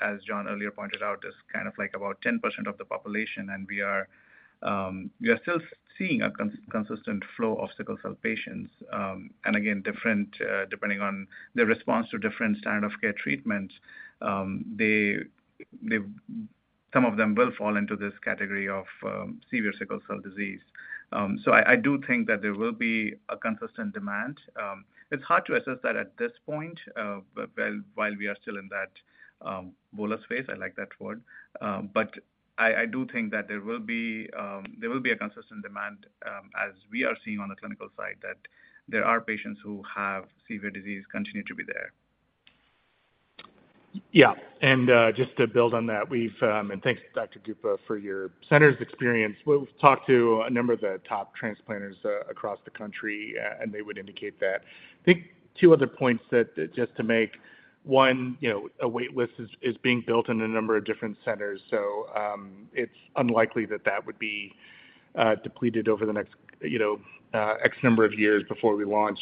As John earlier pointed out, it's kind of like about 10% of the population, and we are still seeing a consistent flow of sickle cell patients. Again, depending on their response to different standard of care treatments, some of them will fall into this category of severe sickle cell disease. I do think that there will be a consistent demand. It's hard to assess that at this point while we are still in that bolus phase. I like that word. I do think that there will be a consistent demand, as we are seeing on the clinical side, that there are patients who have severe disease continue to be there.
Yeah. And just to build on that, and thanks, Dr. Gupta, for your center's experience. We've talked to a number of the top transplanters across the country, and they would indicate that. I think two other points just to make. One, a waitlist is being built in a number of different centers. So it's unlikely that that would be depleted over the next X number of years before we launch.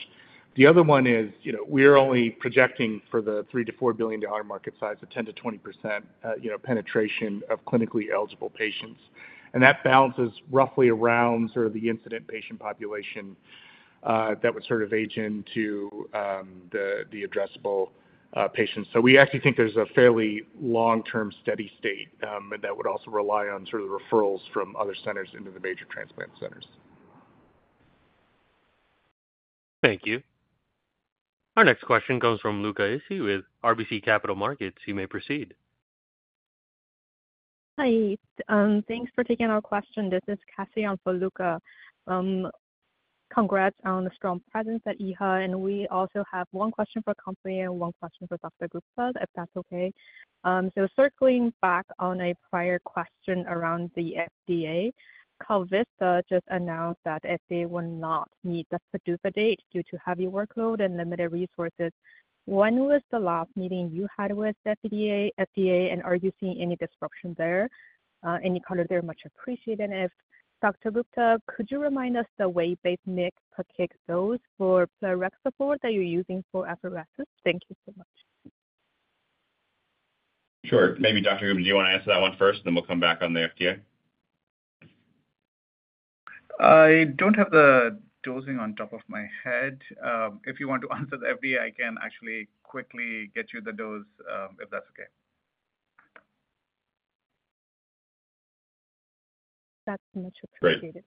The other one is we are only projecting for the $3 billion-$4 billion market size a 10%-20% penetration of clinically eligible patients. And that balances roughly around sort of the incident patient population that would sort of age into the addressable patients. So we actually think there's a fairly long-term steady state that would also rely on sort of referrals from other centers into the major transplant centers.
Thank you. Our next question comes from Luca Issi with RBC Capital Markets. You may proceed. Hi. Thanks for taking our question. This is Cassian for Luca. Congrats on a strong presence at EHA. We also have one question for company and one question for Dr. Gupta, if that's okay. Circling back on a prior question around the FDA, KalVista just announced that FDA will not meet the PDUFA date due to heavy workload and limited resources. When was the last meeting you had with FDA, and are you seeing any disruption there? Any comments there? Much appreciated. If Dr. Gupta, could you remind us the wave-based mix per kg dose for plerixafor support that you're using for apheresis? Thank you so much.
Sure. Maybe Dr. Gupta, do you want to answer that one first, and then we'll come back on the FDA?
I don't have the dosing on top of my head. If you want to answer the FDA, I can actually quickly get you the dose if that's okay. That's much appreciated.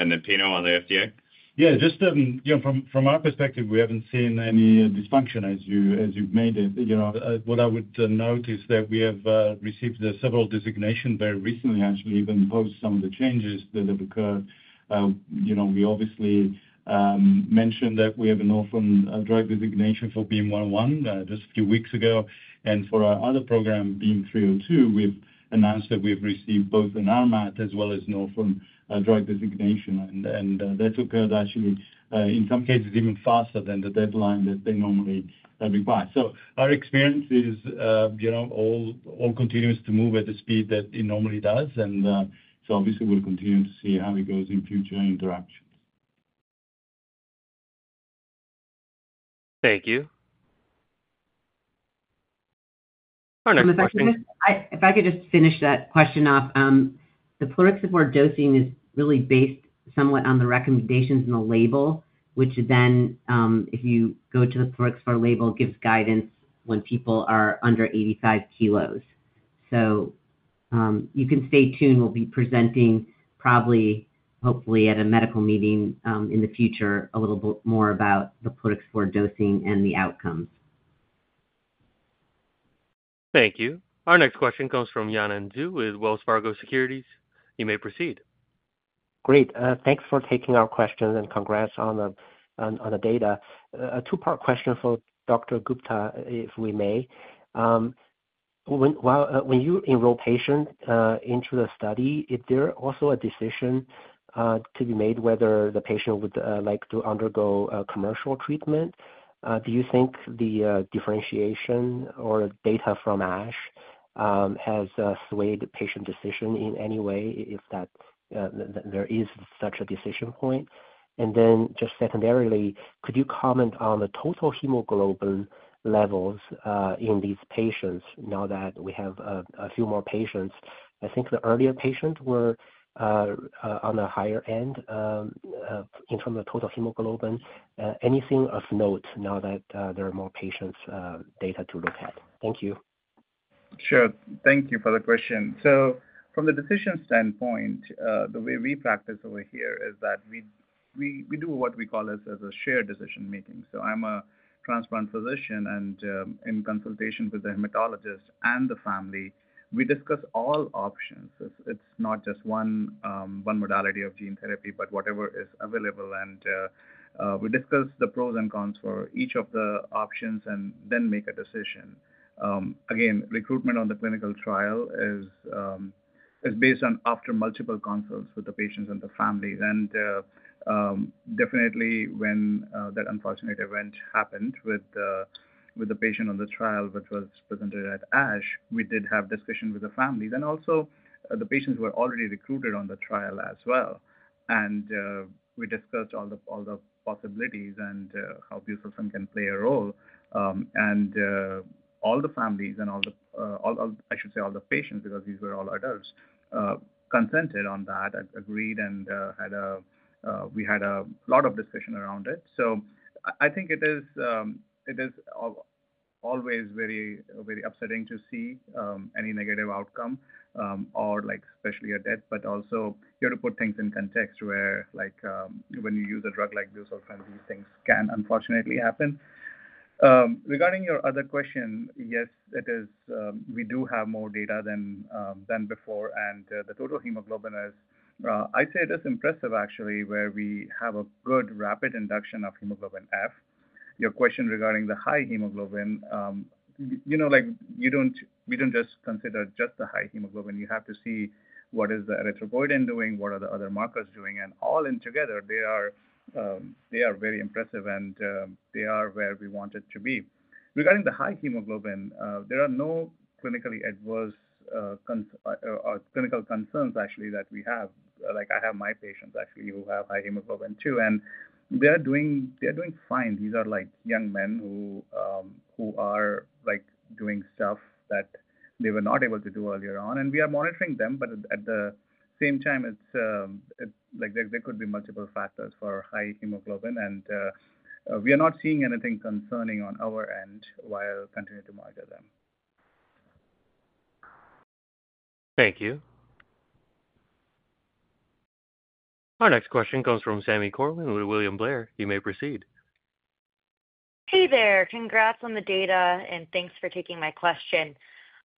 Great. Pino on the FDA?
Yeah. Just from our perspective, we haven't seen any dysfunction as you've made it. What I would note is that we have received several designations very recently, actually, even post some of the changes that have occurred. We obviously mentioned that we have an orphan drug designation for BEAM-101 just a few weeks ago. For our other program, BEAM-302, we've announced that we've received both an RMAT as well as orphan drug designation. That occurred, actually, in some cases, even faster than the deadline that they normally require. Our experience is all continues to move at the speed that it normally does. Obviously, we'll continue to see how it goes in future interactions.
Thank you. Our next question.
If I could just finish that question off, the plerixafor dosing is really based somewhat on the recommendations in the label, which then, if you go to the plerixafor label, gives guidance when people are under 85 kg. You can stay tuned. We will be presenting probably, hopefully, at a medical meeting in the future a little bit more about the plerixafor dosing and the outcomes.
Thank you. Our next question comes from Yanan Zhu with Wells Fargo Securities. You may proceed.
Great. Thanks for taking our questions and congrats on the data. A two-part question for Dr. Gupta, if we may. When you enroll patients into the study, is there also a decision to be made whether the patient would like to undergo commercial treatment? Do you think the differentiation or data from ASH has swayed patient decision in any way if there is such a decision point? Secondarily, could you comment on the total hemoglobin levels in these patients now that we have a few more patients? I think the earlier patients were on the higher end in terms of total hemoglobin. Anything of note now that there are more patients data to look at? Thank you.
Sure. Thank you for the question. From the decision standpoint, the way we practice over here is that we do what we call as a shared decision-making. I'm a transplant physician, and in consultation with the hematologist and the family, we discuss all options. It's not just one modality of gene therapy, but whatever is available. We discuss the pros and cons for each of the options and then make a decision. Again, recruitment on the clinical trial is based on after multiple consults with the patients and the families. Definitely, when that unfortunate event happened with the patient on the trial, which was presented at ASH, we did have discussion with the families. Also, the patients were already recruited on the trial as well. We discussed all the possibilities and how busulfan can play a role. All the families and all the, I should say, all the patients, because these were all adults, consented on that, agreed, and we had a lot of discussion around it. I think it is always very upsetting to see any negative outcome, or especially a death, but also you have to put things in context where when you use a drug like busulfan, these things can unfortunately happen. Regarding your other question, yes, we do have more data than before. The total hemoglobin is, I'd say it is impressive, actually, where we have a good rapid induction of hemoglobin F. Your question regarding the high hemoglobin, we do not just consider just the high hemoglobin. You have to see what is the erythropoietin doing, what are the other markers doing. All in together, they are very impressive, and they are where we want it to be. Regarding the high hemoglobin, there are no clinical concerns, actually, that we have. I have my patients, actually, who have high hemoglobin too. And they're doing fine. These are young men who are doing stuff that they were not able to do earlier on. We are monitoring them, but at the same time, there could be multiple factors for high hemoglobin. We are not seeing anything concerning on our end while continuing to monitor them.
Thank you. Our next question comes from Sami Corwin with William Blair. You may proceed.
Hey there. Congrats on the data, and thanks for taking my question.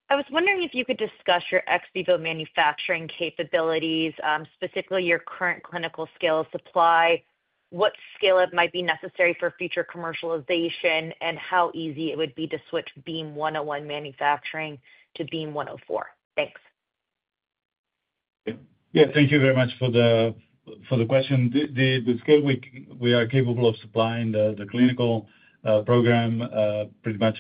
I was wondering if you could discuss your ex vivo manufacturing capabilities, specifically your current clinical scale of supply, what scale it might be necessary for future commercialization, and how easy it would be to switch BEAM-101 manufacturing to BEAM-104. Thanks.
Yeah. Thank you very much for the question. The scale we are capable of supplying the clinical program pretty much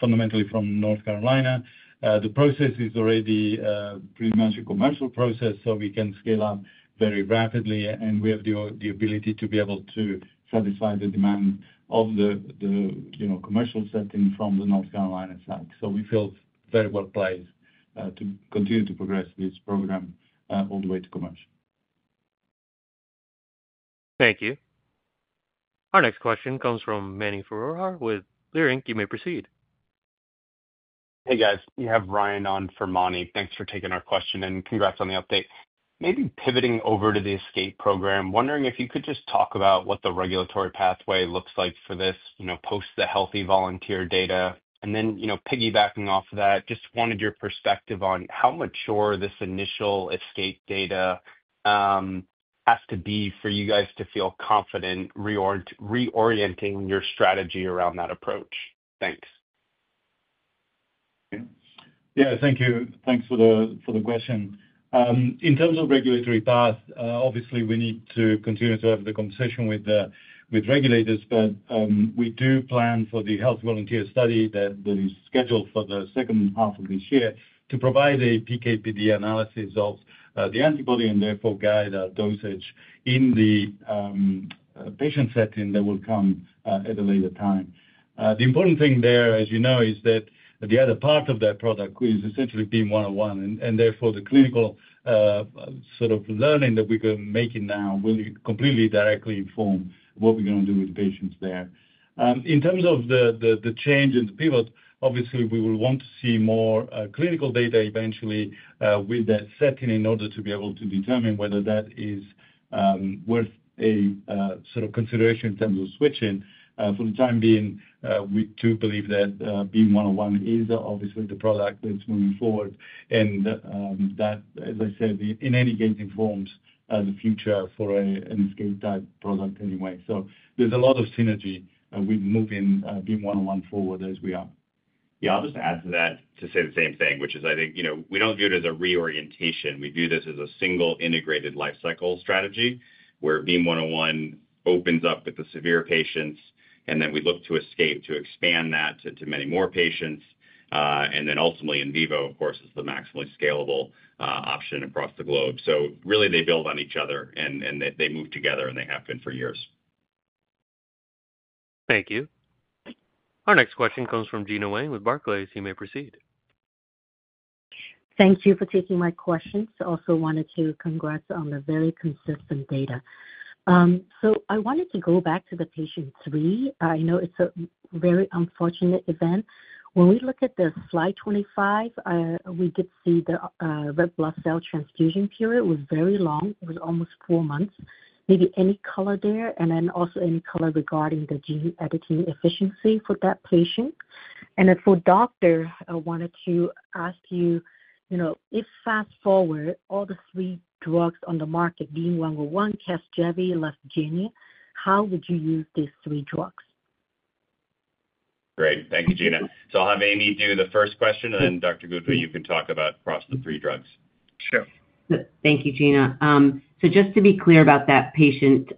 fundamentally from North Carolina. The process is already pretty much a commercial process, so we can scale up very rapidly, and we have the ability to be able to satisfy the demand of the commercial setting from the North Carolina site. We feel very well placed to continue to progress this program all the way to commercial.
Thank you. Our next question comes from Manny Ferroja with Clear. You may proceed. Hey, guys. We have Ryan on for Manny. Thanks for taking our question and congrats on the update. Maybe pivoting over to the ESCAPE program, wondering if you could just talk about what the regulatory pathway looks like for this post the healthy volunteer data. Then piggybacking off of that, just wanted your perspective on how mature this initial ESCAPE data has to be for you guys to feel confident reorienting your strategy around that approach. Thanks.
Yeah. Thank you. Thanks for the question. In terms of regulatory path, obviously, we need to continue to have the conversation with regulators, but we do plan for the healthy volunteer study that is scheduled for the second half of this year to provide a PK/PD analysis of the antibody and therefore guide our dosage in the patient setting that will come at a later time. The important thing there, as you know, is that the other part of that product is essentially BEAM-101. And therefore, the clinical sort of learning that we're making now will completely directly inform what we're going to do with the patients there. In terms of the change in the pivot, obviously, we will want to see more clinical data eventually with that setting in order to be able to determine whether that is worth a sort of consideration in terms of switching. For the time being, we do believe that BEAM-101 is obviously the product that's moving forward. That, as I said, in any case, informs the future for a ESCAPE-type product anyway. There is a lot of synergy with moving BEAM-101 forward as we are.
Yeah. I'll just add to that to say the same thing, which is I think we don't view it as a reorientation. We view this as a single integrated life cycle strategy where BEAM-101 opens up with the severe patients, and then we look to ESCAPE to expand that to many more patients. Ultimately, in vivo, of course, is the maximally scalable option across the globe. Really, they build on each other, and they move together, and they have been for years.
Thank you. Our next question comes from Gena Wang with Barclays. You may proceed.
Thank you for taking my questions. I also wanted to congrats on the very consistent data. I wanted to go back to the patient three. I know it's a very unfortunate event. When we look at the slide 25, we did see the red blood cell transfusion period was very long. It was almost four months. Maybe any color there, and then also any color regarding the gene editing efficiency for that patient. For doctor, I wanted to ask you, if fast forward, all the three drugs on the market, BEAM-101, CASGEVY, and LYFGENIA, how would you use these three drugs?
Great. Thank you, Gina. I'll have Amy do the first question, and then Dr. Gupta, you can talk about across the three drugs.
Sure.
Thank you, Gina. Just to be clear about that patient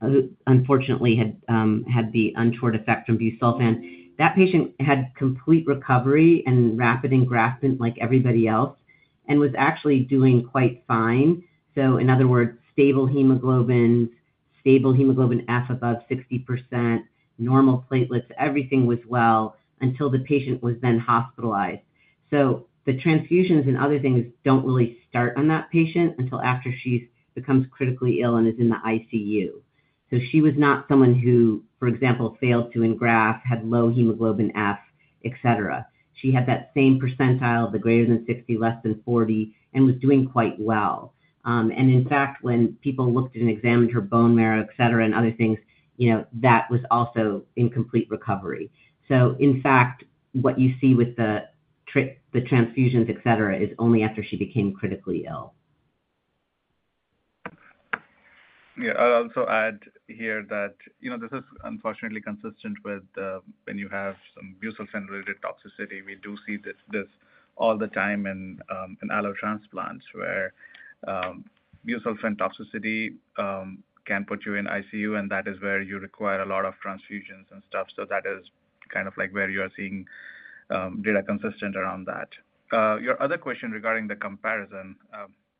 who unfortunately had the untoward effect from busulfan, that patient had complete recovery and rapid engraftment like everybody else and was actually doing quite fine. In other words, stable hemoglobin, stable hemoglobin F above 60%, normal platelets, everything was well until the patient was then hospitalized. The transfusions and other things do not really start on that patient until after she becomes critically ill and is in the ICU. She was not someone who, for example, failed to engraft, had low hemoglobin F, etc. She had that same percentile, the greater than 60%, less than 40%, and was doing quite well. In fact, when people looked and examined her bone marrow, etc., and other things, that was also in complete recovery. In fact, what you see with the transfusions, etc., is only after she became critically ill.
Yeah. I'll also add here that this is unfortunately consistent with when you have some busulfan-related toxicity. We do see this all the time in allo transplants where busulfan toxicity can put you in ICU, and that is where you require a lot of transfusions and stuff. That is kind of like where you are seeing data consistent around that. Your other question regarding the comparison,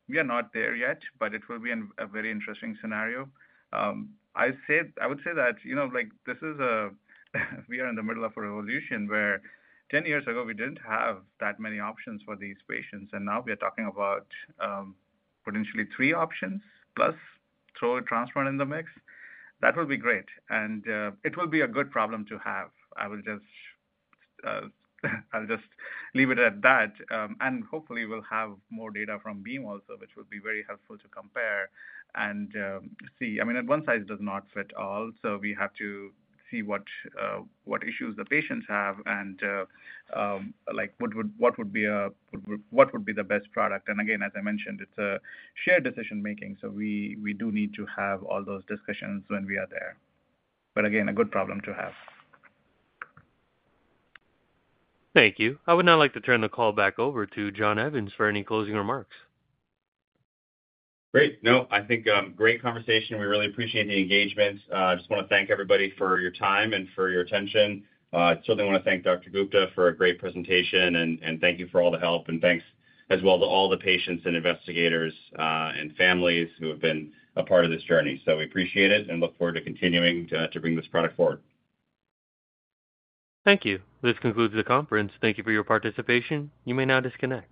we are not there yet, but it will be a very interesting scenario. I would say that this is a—we are in the middle of a revolution where 10 years ago, we did not have that many options for these patients. Now we are talking about potentially three options plus throw a transplant in the mix. That will be great. It will be a good problem to have. I'll just leave it at that. Hopefully, we'll have more data from Beam also, which will be very helpful to compare and see. I mean, at one size does not fit all. We have to see what issues the patients have and what would be the best product. Again, as I mentioned, it's a shared decision-making. We do need to have all those discussions when we are there. Again, a good problem to have.
Thank you. I would now like to turn the call back over to John Evans for any closing remarks.
Great. No, I think great conversation. We really appreciate the engagement. I just want to thank everybody for your time and for your attention. I certainly want to thank Dr. Gupta for a great presentation, and thank you for all the help. Thanks as well to all the patients and investigators and families who have been a part of this journey. We appreciate it and look forward to continuing to bring this product forward.
Thank you. This concludes the conference. Thank you for your participation. You may now disconnect.